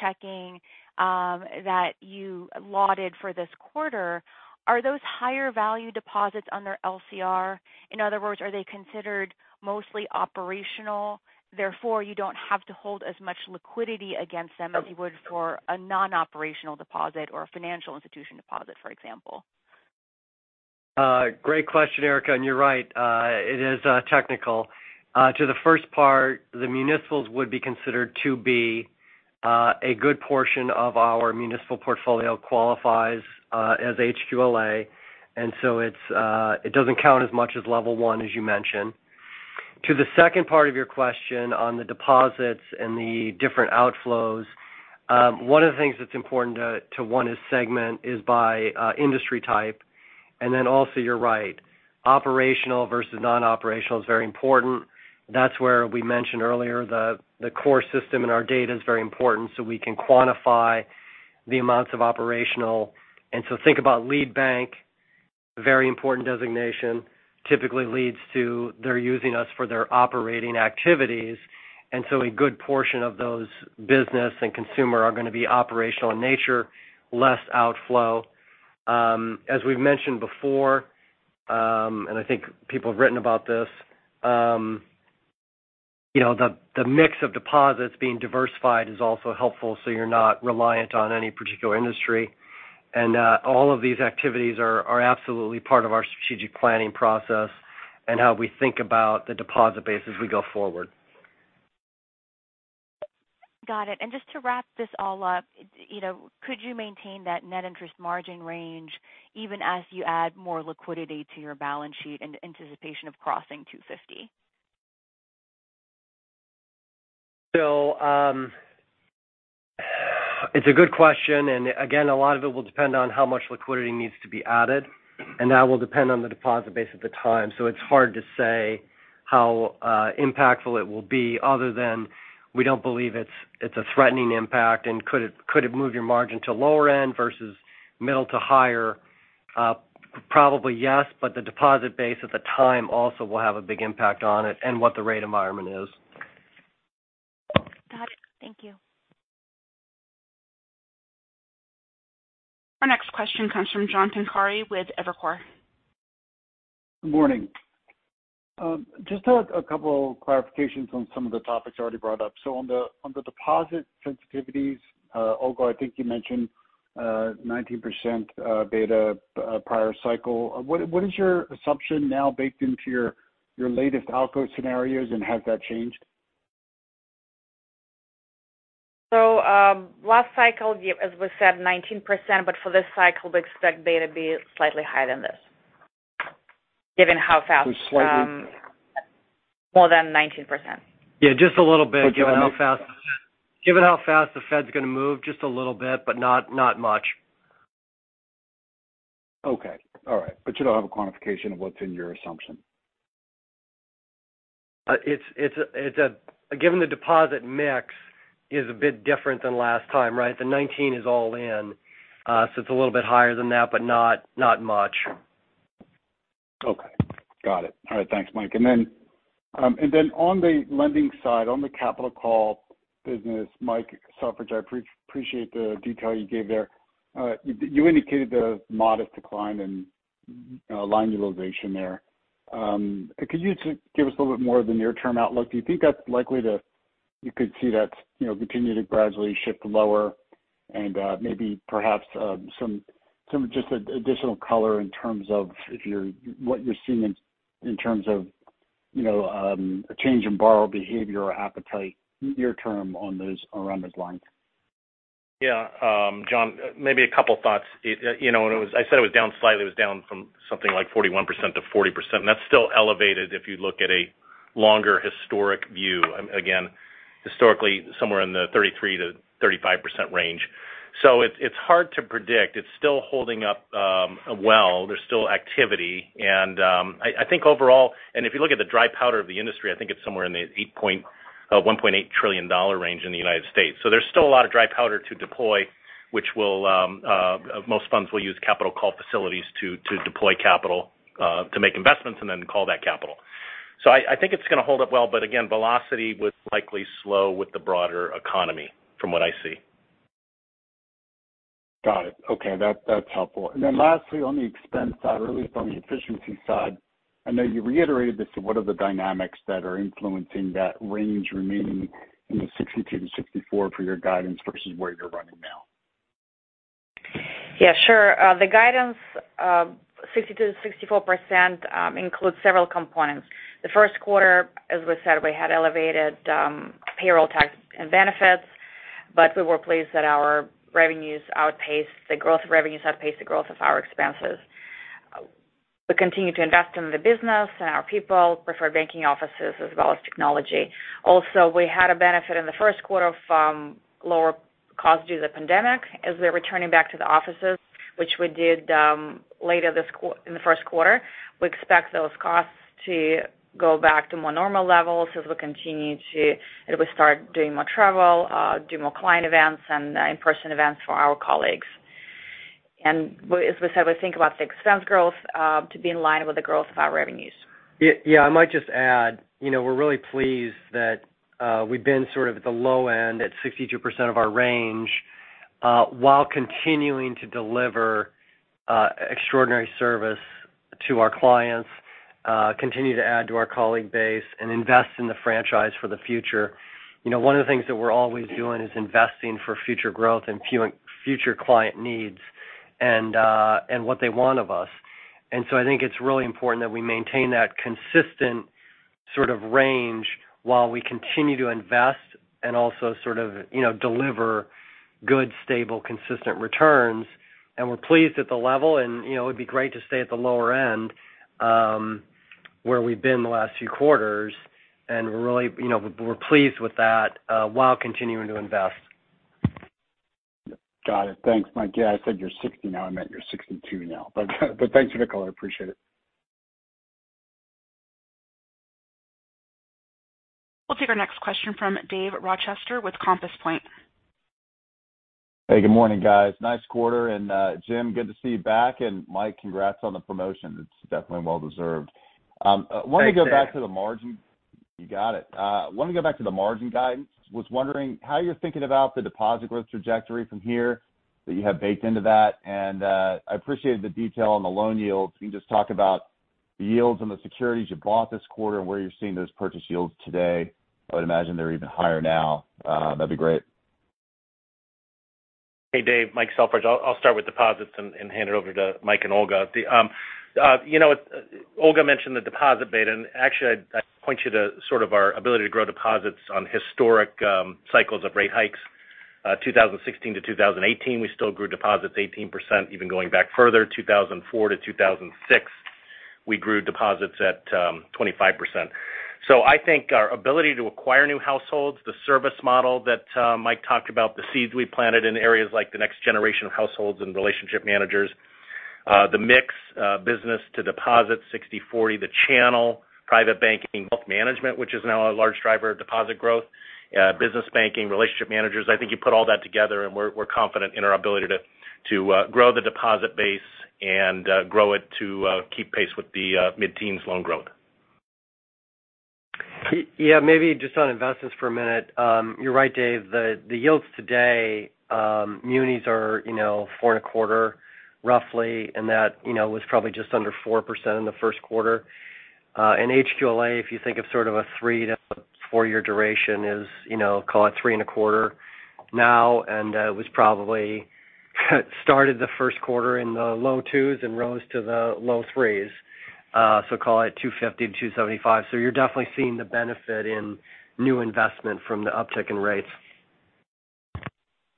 checking that you lauded for this quarter, are those higher value deposits under LCR? In other words, are they considered mostly operational, therefore you don't have to hold as much liquidity against them as you would for a non-operational deposit or a financial institution deposit, for example? Great question, Erika, and you're right. It is technical. To the first part, the municipals would be considered 2B. A good portion of our municipal portfolio qualifies as HQLA. It doesn't count as much as level 1, as you mentioned. To the second part of your question on the deposits and the different outflows, one of the things that's important to segment by industry type. Then also you're right, operational versus non-operational is very important. That's where we mentioned earlier the core system in our data is very important, so we can quantify the amounts of operational. Think about lead bank, very important designation. Typically leads to their using us for their operating activities. A good portion of those business and consumer are going to be operational in nature, less outflow. As we've mentioned before, and I think people have written about this, you know, the mix of deposits being diversified is also helpful, so you're not reliant on any particular industry. All of these activities are absolutely part of our strategic planning process and how we think about the deposit base as we go forward. Got it. Just to wrap this all up, you know, could you maintain that net interest margin range even as you add more liquidity to your balance sheet in anticipation of crossing $250 million? It's a good question. Again, a lot of it will depend on how much liquidity needs to be added, and that will depend on the deposit base at the time. It's hard to say how impactful it will be other than we don't believe it's a threatening impact. Could it move your margin to lower end versus middle to higher? Probably yes, but the deposit base at the time also will have a big impact on it and what the rate environment is. Got it. Thank you. Our next question comes from John Pancari with Evercore. Good morning. Just a couple clarifications on some of the topics already brought up. On the deposit sensitivities, Olga, I think you mentioned 19% beta prior cycle. What is your assumption now baked into your latest outlook scenarios, and has that changed? Last cycle, as we said, 19%, but for this cycle we expect beta to be slightly higher than this given how fast- So slightly- More than 19%. Yeah, just a little bit given how fast. So just a- Given how fast the Fed's gonna move. Just a little bit, but not much. Okay. All right. You don't have a quantification of what's in your assumption? It's given the deposit mix is a bit different than last time, right? The 19 is all in, so it's a little bit higher than that, but not much. Okay. Got it. All right. Thanks, Mike. On the lending side, on the capital call business, Mike Selfridge, I appreciate the detail you gave there. You indicated a modest decline in line utilization there. Could you give us a little bit more of the near-term outlook? Do you think that's likely to continue to gradually shift lower, you know, and maybe perhaps some just additional color in terms of what you're seeing in terms of, you know, a change in borrower behavior or appetite near term around those lines. Yeah. John, maybe a couple thoughts. I said it was down slightly. It was down from something like 41% to 40%. That's still elevated if you look at a longer historic view. Again, historically somewhere in the 33% to 35% range. It's hard to predict. It's still holding up well. There's still activity. I think overall, if you look at the dry powder of the industry, I think it's somewhere in the $1.8 trillion range in the United States. There's still a lot of dry powder to deploy, which will most funds will use capital call facilities to deploy capital to make investments and then call that capital. I think it's going to hold up well, but again, velocity would likely slow with the broader economy from what I see. Got it. Okay. That's helpful. Lastly, on the expense side, or at least on the efficiency side, I know you reiterated this. What are the dynamics that are influencing that range remaining in the 62% to 64% for your guidance versus where you're running now? Yeah, sure. The guidance of 60% to 64% includes several components. The Q1, as we said, we had elevated payroll tax and benefits, but we were pleased that the growth of revenues outpaced the growth of our expenses. We continue to invest in the business and our people, preferred banking offices as well as technology. Also, we had a benefit in the Q1 from lower costs due to the pandemic. As we're returning back to the offices, which we did in the Q1, we expect those costs to go back to more normal levels as we start doing more travel, do more client events and in-person events for our colleagues. As we said, we think about the expense growth to be in line with the growth of our revenues. Yeah, I might just add, you know, we're really pleased that we've been sort of at the low end at 62% of our range while continuing to deliver extraordinary service to our clients, continue to add to our colleague base and invest in the franchise for the future. You know, one of the things that we're always doing is investing for future growth and future client needs and what they want of us. I think it's really important that we maintain that consistent sort of range while we continue to invest and also sort of, you know, deliver good, stable, consistent returns. We're pleased at the level and, you know, it'd be great to stay at the lower end where we've been the last few quarters. We're really, you know, we're pleased with that while continuing to invest. Got it. Thanks, Mike. Yeah, I said you're 60 now, I meant you're 62 now. Thanks for the color. I appreciate it. We'll take our next question from Dave Rochester with Compass Point. Hey, good morning, guys. Nice quarter. Jim, good to see you back. Mike, congrats on the promotion. It's definitely well deserved. I want to go back to the margin- Thanks, Dave. You got it. I want to go back to the margin guidance. I was wondering how you're thinking about the deposit growth trajectory from here that you have baked into that. I appreciated the detail on the loan yields. Can you just talk about the yields on the securities you bought this quarter and where you're seeing those purchase yields today? I would imagine they're even higher now. That'd be great. Hey, Dave. Mike Selfridge. I'll start with deposits and hand it over to Mike and Olga. Olga mentioned the deposit beta, and actually I'd point you to sort of our ability to grow deposits on historic cycles of rate hikes, 2016-2018, we still grew deposits 18%. Even going back further, 2004-2006, we grew deposits at 25%. I think our ability to acquire new households, the service model that Mike talked about, the seeds we planted in areas like the next generation of households and relationship managers, the mix, business-to-deposit 60/40, the channel, private banking, wealth management, which is now a large driver of deposit growth, business banking, relationship managers. I think you put all that together and we're confident in our ability to grow the deposit base and grow it to keep pace with the mid-teens loan growth. Yeah. Maybe just on investments for a minute. You're right, Dave. The yields today, munis are, you know, 4.25% roughly, and that, you know, was probably just under 4% in the Q1. HQLA, if you think of sort of a three to four year duration is, you know, call it 3.25% now, and it was probably at the start of the Q1 in the low two's and rose to the low three's. Call it 2.50% to 2.75%. You're definitely seeing the benefit in new investment from the uptick in rates.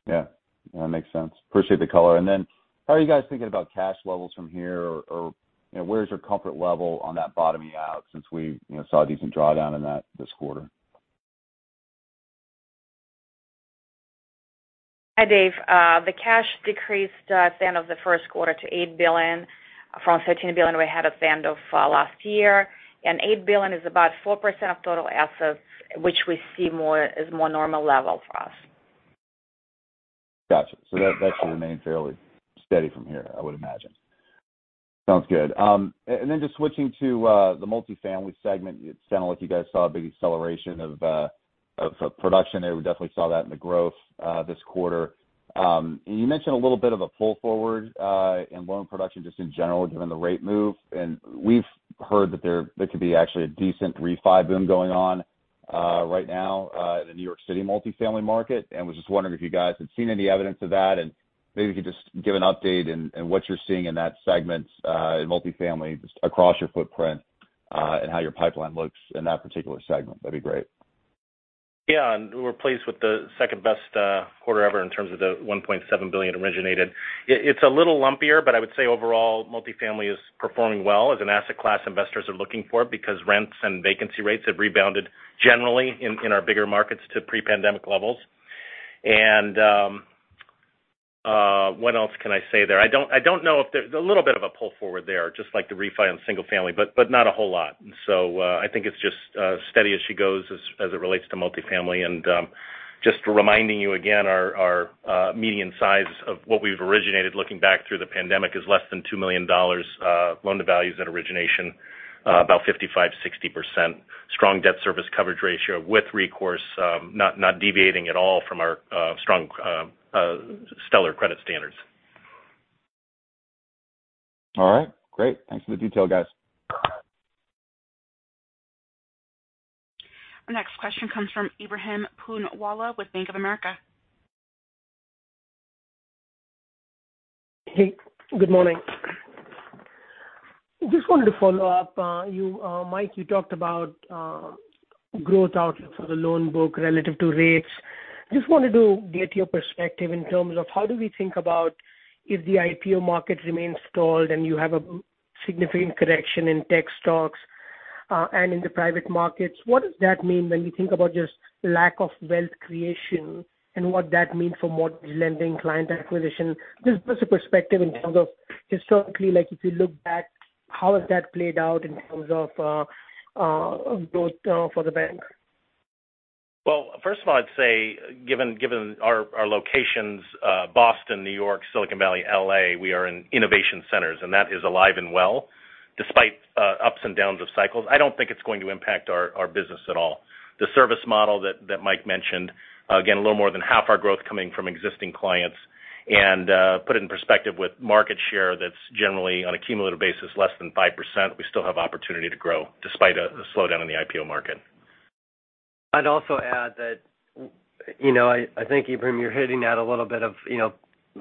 Yeah. That makes sense. Appreciate the color. Then how are you guys thinking about cash levels from here or, you know, where's your comfort level on that bottoming out since we, you know, saw a decent drawdown in that this quarter? Hi, Dave. The cash decreased at end of the Q1 to $8 from 13 billion we had at the end of last year. Eight billion is about 4% of total assets, which we see more as more normal level for us. Gotcha. That should remain fairly steady from here, I would imagine. Sounds good. Just switching to the multifamily segment. It sounded like you guys saw a big acceleration of production there. We definitely saw that in the growth this quarter. You mentioned a little bit of a pull forward in loan production just in general given the rate move. We've heard that there could be actually a decent refi boom going on right now in the New York City multifamily market. Was just wondering if you guys had seen any evidence of that, and maybe could just give an update in what you're seeing in that segment in multifamily just across your footprint, and how your pipeline looks in that particular segment. That'd be great. Yeah. We're pleased with the second-best quarter ever in terms of the $1.7 billion originated. It's a little lumpier, but I would say overall, multifamily is performing well as an asset class investors are looking for because rents and vacancy rates have rebounded generally in our bigger markets to pre-pandemic levels. What else can I say there? I don't know if there's a little bit of a pull forward there, just like the refi on single family, but not a whole lot. I think it's just steady as she goes as it relates to multifamily. Just reminding you again, our median size of what we've originated looking back through the pandemic is less than $2 million, loan-to-value at origination about 55% to 60%. Strong debt service coverage ratio with recourse, not deviating at all from our strong stellar credit standards. All right. Great. Thanks for the detail, guys. Our next question comes from Ebrahim Poonawala with Bank of America. Hey, good morning. Just wanted to follow up. Mike, you talked about growth outlook for the loan book relative to rates. Just wanted to get your perspective in terms of how do we think about if the IPO market remains stalled and you have a significant correction in tech stocks and in the private markets. What does that mean when we think about just lack of wealth creation and what that means for mortgage lending, client acquisition? Just a perspective in terms of historically, like if you look back, how has that played out in terms of growth for the bank? Well, first of all, I'd say given our locations, Boston, New York, Silicon Valley, LA, we are in innovation centers, and that is alive and well despite ups and downs of cycles. I don't think it's going to impact our business at all. The service model that Mike mentioned, again, a little more than half our growth coming from existing clients, put it in perspective with market share that's generally on a cumulative basis less than 5%, we still have opportunity to grow despite a slowdown in the IPO market. I'd also add that, you know, I think, Ebrahim, you're hitting at a little bit of, you know,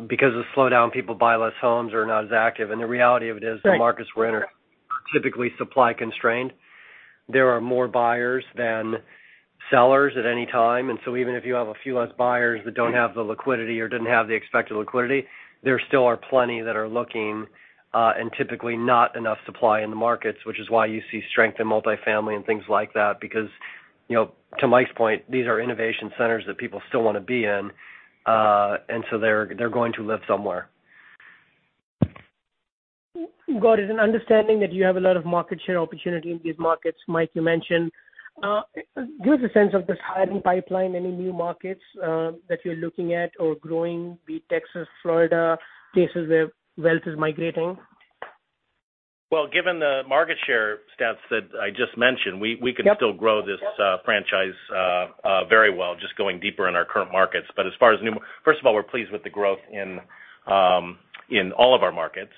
because of slowdown, people buy less homes or are not as active. The reality of it is the markets we're in are typically supply constrained. There are more buyers than sellers at any time. Even if you have a few less buyers that don't have the liquidity or didn't have the expected liquidity, there still are plenty that are looking, and typically not enough supply in the markets, which is why you see strength in multifamily and things like that. Because, you know, to Mike's point, these are innovation centers that people still want to be in. They're going to live somewhere. Got it. Understanding that you have a lot of market share opportunity in these markets, Mike, you mentioned, give us a sense of this hiring pipeline. Any new markets, that you're looking at or growing, be it Texas, Florida, places where wealth is migrating? Well, given the market share stats that I just mentioned, we can still grow this franchise very well just going deeper in our current markets. First of all, we're pleased with the growth in all of our markets.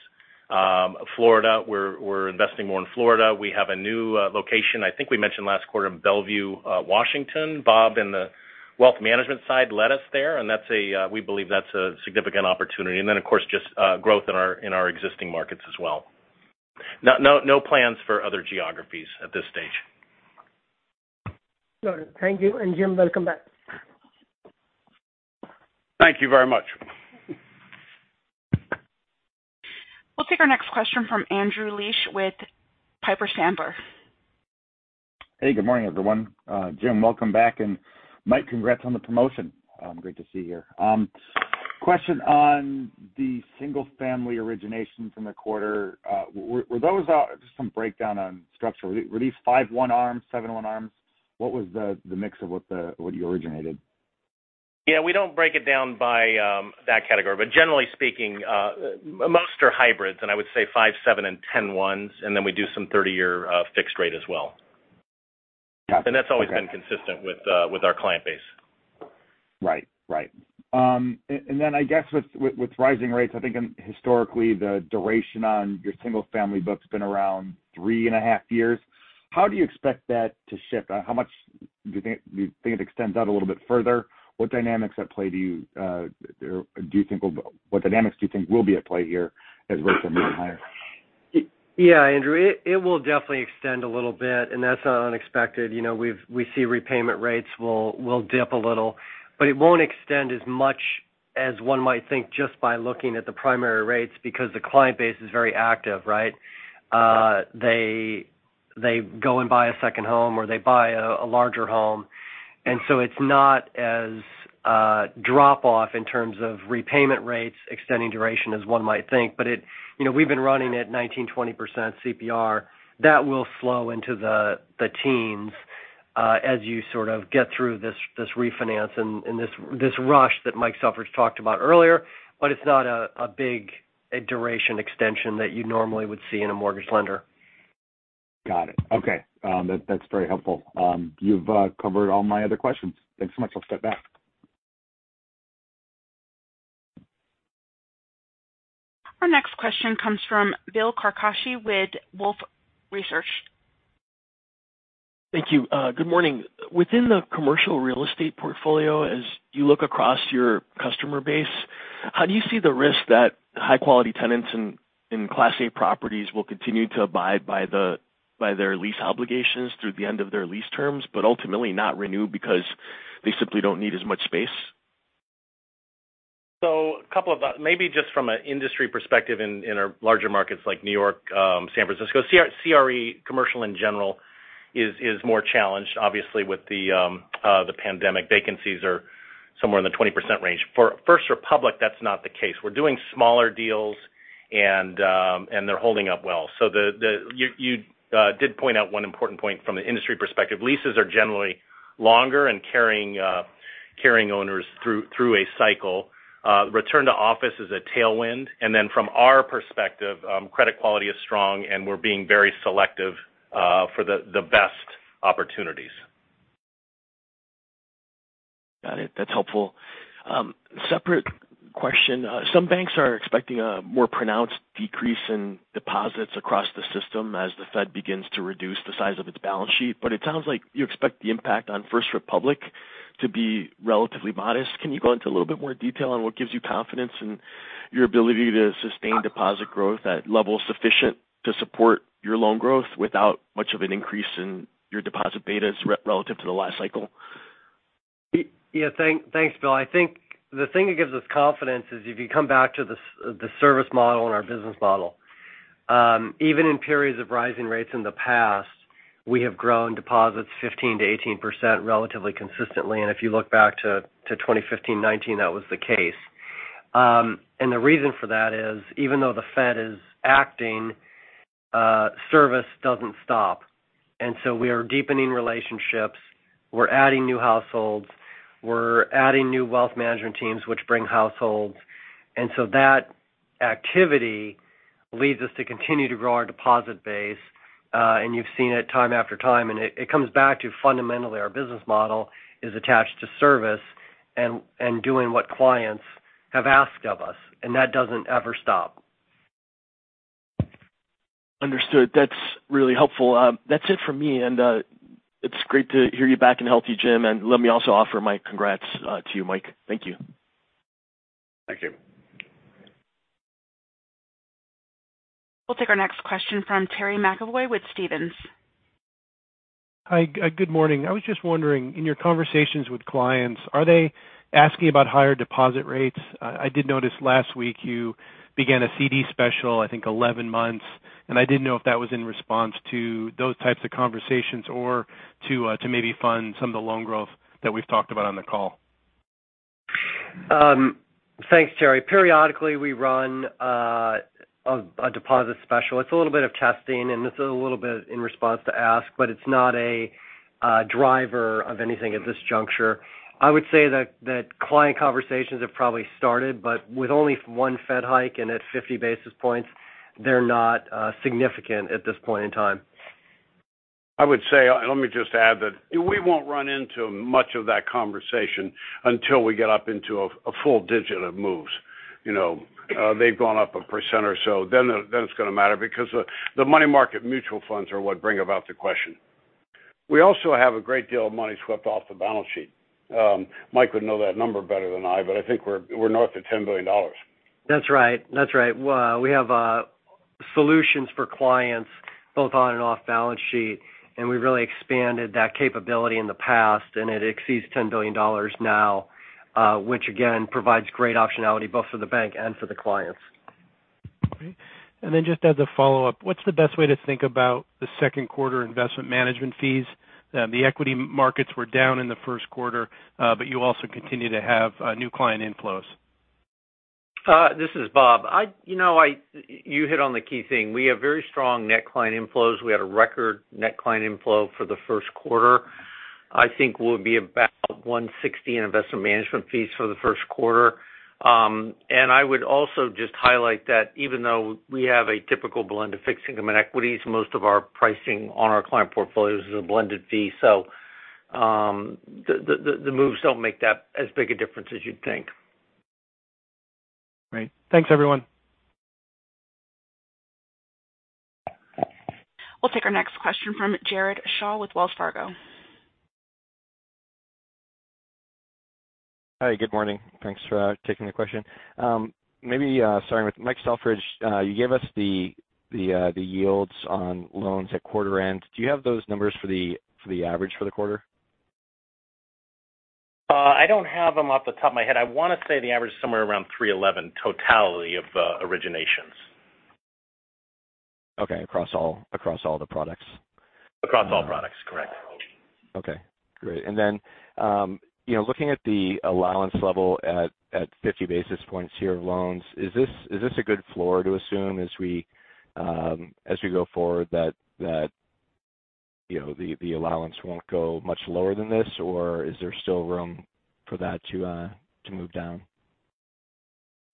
Florida, we're investing more in Florida. We have a new location, I think we mentioned last quarter, in Bellevue, Washington. Bob in the wealth management side led us there, and we believe that's a significant opportunity. Of course, just growth in our existing markets as well. No plans for other geographies at this stage. Got it. Thank you. Jim, welcome back. Thank you very much. We'll take our next question from Andrew Liesch with Piper Sandler. Hey, good morning, everyone. Jim, welcome back. Mike, congrats on the promotion. Great to see you here. Question on the single family originations in the quarter. Were those just some breakdown on structure? Were these 5/1 ARMs, 7/1 ARMs? What was the mix of what you originated? Yeah, we don't break it down by that category. Generally speaking, most are hybrids, and I would say 5, 7, and 10 ones, and then we do some 30-year fixed rate as well. Got it. Okay. That's always been consistent with our client base. I guess with rising rates, I think historically the duration on your single family book's been around 3.5 years. How do you expect that to shift? Do you think it extends out a little bit further? What dynamics at play do you think will be at play here as rates are moving higher? Yeah, Andrew. It will definitely extend a little bit, and that's not unexpected. You know, we see repayment rates will dip a little. But it won't extend as much as one might think just by looking at the primary rates because the client base is very active, right? They go and buy a second home, or they buy a larger home. And so it's not a drop off in terms of repayment rates extending duration as one might think. But it. You know, we've been running at 19% to 20% CPR. That will flow into the teens as you sort of get through this refinance and this rush that Mike Selfridge talked about earlier. But it's not a big duration extension that you normally would see in a mortgage lender. Got it. Okay. That's very helpful. You've covered all my other questions. Thanks so much. I'll step back. Our next question comes from Bill Carcache with Wolfe Research. Thank you. Good morning. Within the commercial real estate portfolio, as you look across your customer base, how do you see the risk that high-quality tenants in Class A properties will continue to abide by their lease obligations through the end of their lease terms, but ultimately not renew because they simply don't need as much space? A couple of maybe just from an industry perspective in our larger markets like New York, San Francisco. CRE, commercial in general is more challenged, obviously, with the pandemic. Vacancies are somewhere in the 20% range. For First Republic, that's not the case. We're doing smaller deals and they're holding up well. You did point out one important point from the industry perspective. Leases are generally longer and carrying owners through a cycle. Return to office is a tailwind. Then from our perspective, credit quality is strong, and we're being very selective for the best opportunities. Got it. That's helpful. Separate question. Some banks are expecting a more pronounced decrease in deposits across the system as the Fed begins to reduce the size of its balance sheet, but it sounds like you expect the impact on First Republic to be relatively modest. Can you go into a little bit more detail on what gives you confidence in your ability to sustain deposit growth at levels sufficient to support your loan growth without much of an increase in your deposit betas relative to the last cycle? Yeah. Thanks, Bill. I think the thing that gives us confidence is if you come back to the service model and our business model. Even in periods of rising rates in the past, we have grown deposits 15% to 18% relatively consistently. If you look back to 2015, 2019, that was the case. The reason for that is, even though the Fed is acting, service doesn't stop. We are deepening relationships. We're adding new households. We're adding new wealth management teams, which bring households. That activity leads us to continue to grow our deposit base. You've seen it time after time. It comes back to fundamentally our business model is attached to service and doing what clients have asked of us, and that doesn't ever stop. Understood. That's really helpful. That's it for me. It's great to hear you back and healthy, Jim. Let me also offer my congrats to you, Mike. Thank you. Thank you. We'll take our next question from Terry McEvoy with Stephens. Hi. Good morning. I was just wondering, in your conversations with clients, are they asking about higher deposit rates? I did notice last week you began a CD special, I think 11-months, and I didn't know if that was in response to those types of conversations or to maybe fund some of the loan growth that we've talked about on the call? Thanks, Terry. Periodically, we run a deposit special. It's a little bit of testing, and it's a little bit in response to asks, but it's not a driver of anything at this juncture. I would say that client conversations have probably started, but with only one Fed hike and at 50 basis points, they're not significant at this point in time. I would say, let me just add that we won't run into much of that conversation until we get up into a full digit of moves. You know, they've gone up 1% or so. Then it's gonna matter because the money market mutual funds are what bring about the question. We also have a great deal of money swept off the balance sheet. Mike would know that number better than I, but I think we're north of $10 billion. That's right. Well, we have solutions for clients both on and off balance sheet, and we've really expanded that capability in the past, and it exceeds $10 billion now, which again provides great optionality both for the bank and for the clients. Okay. Just as a follow-up, what's the best way to think about the Q2 investment management fees? The equity markets were down in the Q1. You also continue to have new client inflows. This is Bob. You know, you hit on the key thing. We have very strong net client inflows. We had a record net client inflow for the Q1. I think we'll be about $160 million in investment management fees for the Q1. I would also just highlight that even though we have a typical blend of fixed income and equities, most of our pricing on our client portfolios is a blended fee. The moves don't make that as big a difference as you'd think. Great. Thanks, everyone. We'll take our next question from Jared Shaw with Wells Fargo. Hi. Good morning. Thanks for taking the question. Maybe starting with Mike Selfridge, you gave us the yields on loans at quarter-end. Do you have those numbers for the average for the quarter? I don't have them off the top of my head. I want to say the average is somewhere around 3.11% totality of originations. Okay. Across all the products? Across all products, correct. Okay, great. You know, looking at the allowance level at 50 basis points here of loans, is this a good floor to assume as we go forward that you know, the allowance won't go much lower than this? Or is there still room for that to move down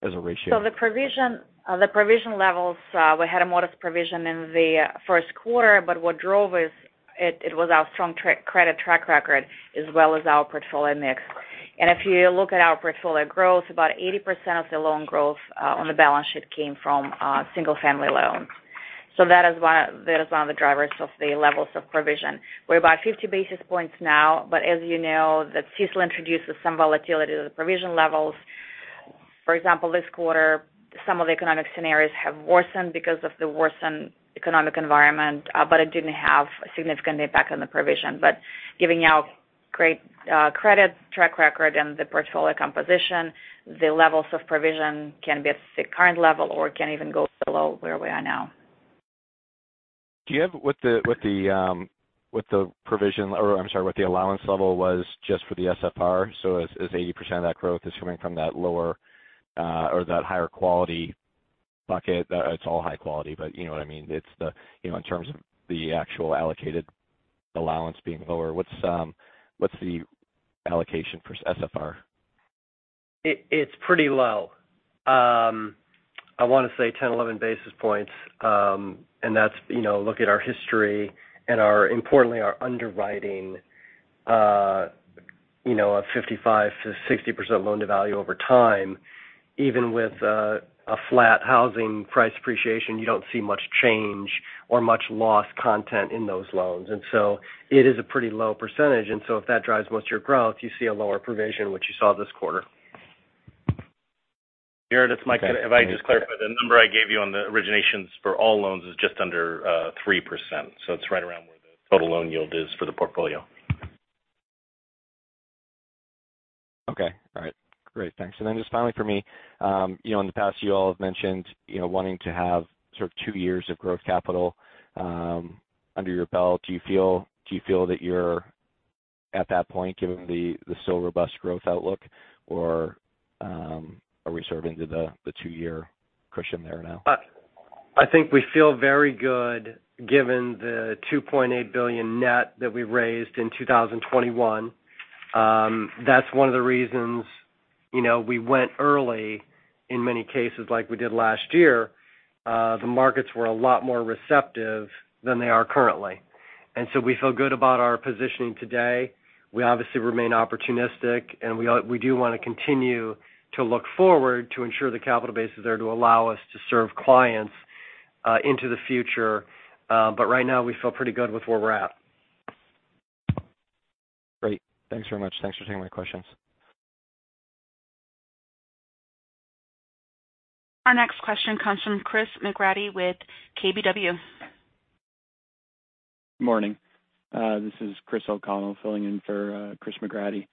as a ratio? The provision levels, we had a modest provision in the Q1, but what drove it was our strong credit track record as well as our portfolio mix. If you look at our portfolio growth, about 80% of the loan growth on the balance sheet came from single-family loans. That is one of the drivers of the levels of provision. We're about 50 basis points now, but as you know, the CECL introduces some volatility to the provision levels. For example, this quarter, some of the economic scenarios have worsened because of the worsened economic environment, but it didn't have a significant impact on the provision. Given our great credit track record and the portfolio composition, the levels of provision can be at the current level or can even go below where we are now. Do you have what the provision or I'm sorry, what the allowance level was just for the SFR? As 80% of that growth is coming from that lower or that higher quality bucket. It's all high quality, but you know what I mean. It's, you know, in terms of the actual allocated allowance being lower, what's the allocation for SFR? It's pretty low. I wanna say 10, 11 basis points. That's, you know, look at our history and, importantly, our underwriting, you know, of 55% to 60% loan-to-value over time. Even with a flat housing price appreciation, you don't see much change or much loss content in those loans. It is a pretty low percentage. If that drives most of your growth, you see a lower provision, which you saw this quarter. Jared, it's Mike. If I just clarify, the number I gave you on the originations for all loans is just under 3%. It's right around where the total loan yield is for the portfolio. Okay. All right. Great. Thanks. Just finally for me, you know, in the past you all have mentioned, you know, wanting to have sort of two years of growth capital under your belt. Do you feel that you're at that point given the still robust growth outlook? Or, are we sort of into the two-year cushion there now? I think we feel very good given the $2.8 billion net that we raised in 2021. That's one of the reasons, you know, we went early in many cases like we did last year. The markets were a lot more receptive than they are currently. We feel good about our positioning today. We obviously remain opportunistic, and we do want to continue to look forward to ensure the capital base is there to allow us to serve clients into the future. Right now we feel pretty good with where we're at. Great. Thanks very much. Thanks for taking my questions. Our next question comes from Chris McGratty with KBW. Morning. This is Christopher O'Connell filling in for Chris McGratty.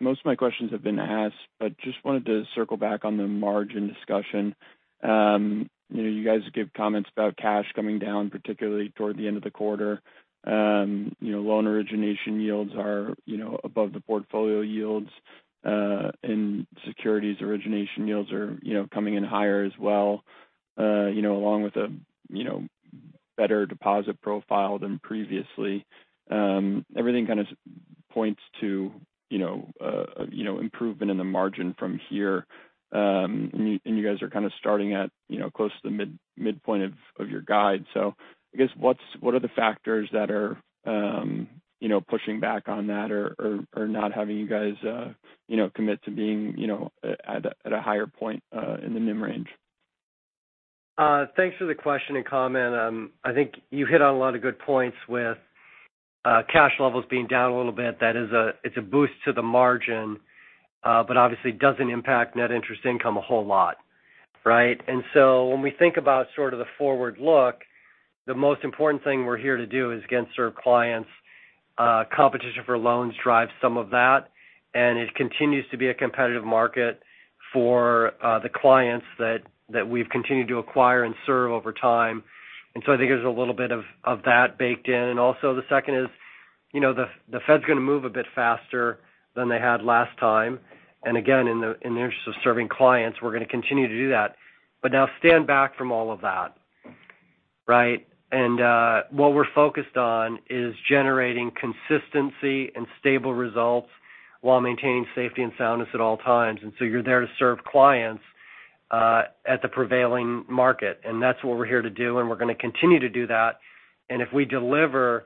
Most of my questions have been asked but just wanted to circle back on the margin discussion. You know, you guys give comments about cash coming down, particularly toward the end of the quarter. You know, loan origination yields are, you know, above the portfolio yields. You know, and securities origination yields are, you know, coming in higher as well. You know, along with a, you know, better deposit profile than previously. Everything kind of points to, you know, you know, improvement in the margin from here. You guys are kind of starting at, you know, close to the midpoint of your guide. I guess what are the factors that are, you know, pushing back on that or not having you guys, you know, commit to being, you know, at a higher point in the NIM range? Thanks for the question and comment. I think you hit on a lot of good points with cash levels being down a little bit. That is a boost to the margin, but obviously doesn't impact net interest income a whole lot, right? When we think about sort of the forward look, the most important thing we're here to do is, again, serve clients. Competition for loans drives some of that, and it continues to be a competitive market for the clients that we've continued to acquire and serve over time. I think there's a little bit of that baked in. Also the second is, you know, the Fed's gonna move a bit faster than they had last time. Again, in the interest of serving clients, we're gonna continue to do that. Now stand back from all of that, right? What we're focused on is generating consistency and stable results while maintaining safety and soundness at all times. You're there to serve clients at the prevailing market. That's what we're here to do, and we're gonna continue to do that. If we deliver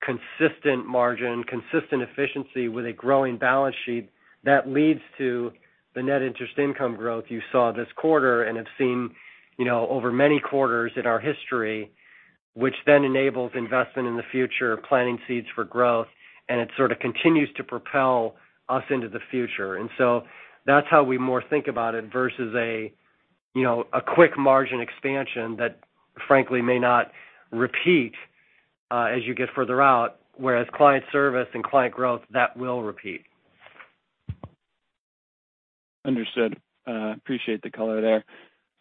consistent margin, consistent efficiency with a growing balance sheet, that leads to the net interest income growth you saw this quarter and have seen, you know, over many quarters in our history. Which then enables investment in the future, planting seeds for growth, and it sort of continues to propel us into the future. That's how we more think about it versus, you know, a quick margin expansion that frankly may not repeat as you get further out, whereas client service and client growth, that will repeat. Understood. Appreciate the color there.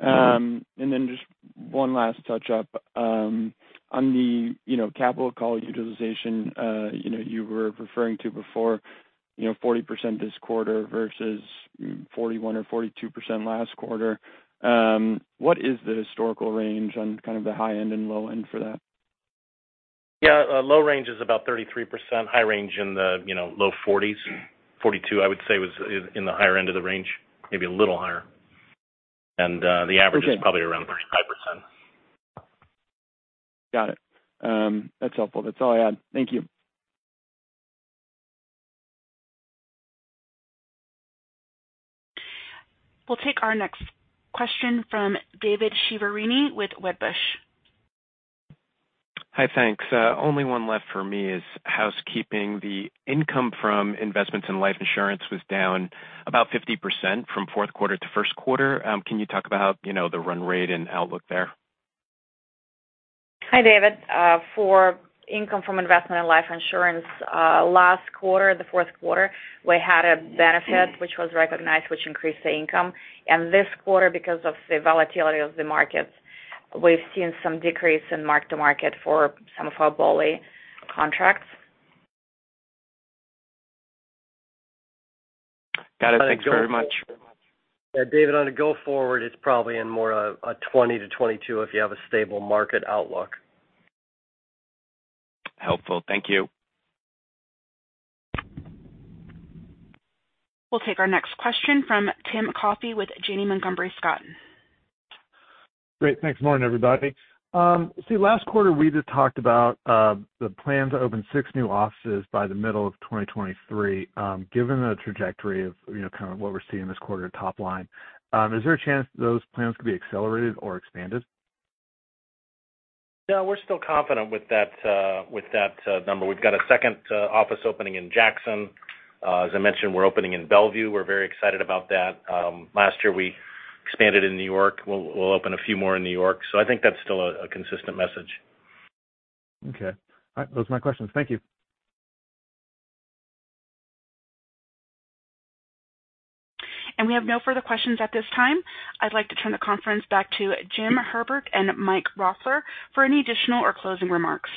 Just one last touch up on the, you know, capital call utilization, you know, you were referring to before, you know, 40% this quarter versus 41% or 42% last quarter. What is the historical range on kind of the high end and low end for that? Yeah. Low range is about 33%, high range in the, you know, low 40%. 42%, I would say, was in the higher end of the range, maybe a little higher. The average is probably around 35%. Got it. That's helpful. That's all I had. Thank you. We'll take our next question from David Chiaverini with Wedbush. Hi. Thanks. Only one left for me is housekeeping. The income from investments in life insurance was down about 50% from Q4 to Q1. Can you talk about, you know, the run rate and outlook there? Hi, David. For income from investment in life insurance, last quarter, the Q4, we had a benefit which was recognized, which increased the income. This quarter, because of the volatility of the markets, we've seen some decrease in mark-to-market for some of our BOLI contracts. Got it. Thanks very much. Yeah, David, going forward, it's probably in more of a 20% to 22% if you have a stable market outlook. Helpful. Thank you. We'll take our next question from Timothy Coffey with Janney Montgomery Scott. Great. Thanks. Morning, everybody. See, last quarter, we talked about the plan to open six new offices by the middle of 2023. Given the trajectory of, you know, kind of what we're seeing this quarter top line, is there a chance those plans could be accelerated or expanded? No, we're still confident with that number. We've got a second office opening in Jackson. As I mentioned, we're opening in Bellevue. We're very excited about that. Last year, we expanded in New York. We'll open a few more in New York. I think that's still a consistent message. Okay. All right. Those are my questions. Thank you. We have no further questions at this time. I'd like to turn the conference back to Jim Herbert and Mike Roffler for any additional or closing remarks.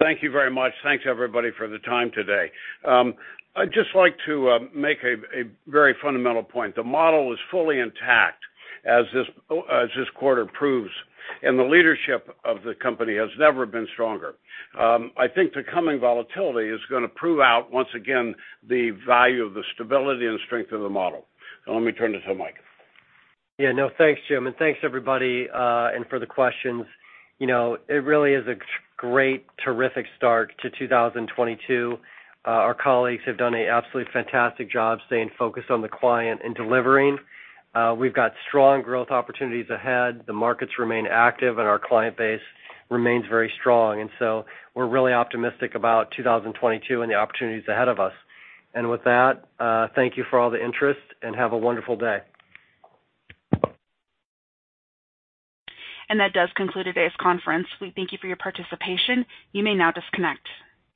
Thank you very much. Thanks, everybody, for the time today. I'd just like to make a very fundamental point. The model is fully intact as this quarter proves, and the leadership of the company has never been stronger. I think the coming volatility is gonna prove out once again the value of the stability and strength of the model. Now let me turn it to Mike. Thanks, Jim, and thanks, everybody, and for the questions. You know, it really is a great, terrific start to 2022. Our colleagues have done an absolutely fantastic job staying focused on the client and delivering. We've got strong growth opportunities ahead. The markets remain active, and our client base remains very strong. We're really optimistic about 2022 and the opportunities ahead of us. With that, thank you for all the interest, and have a wonderful day. That does conclude today's conference. We thank you for your participation. You may now disconnect.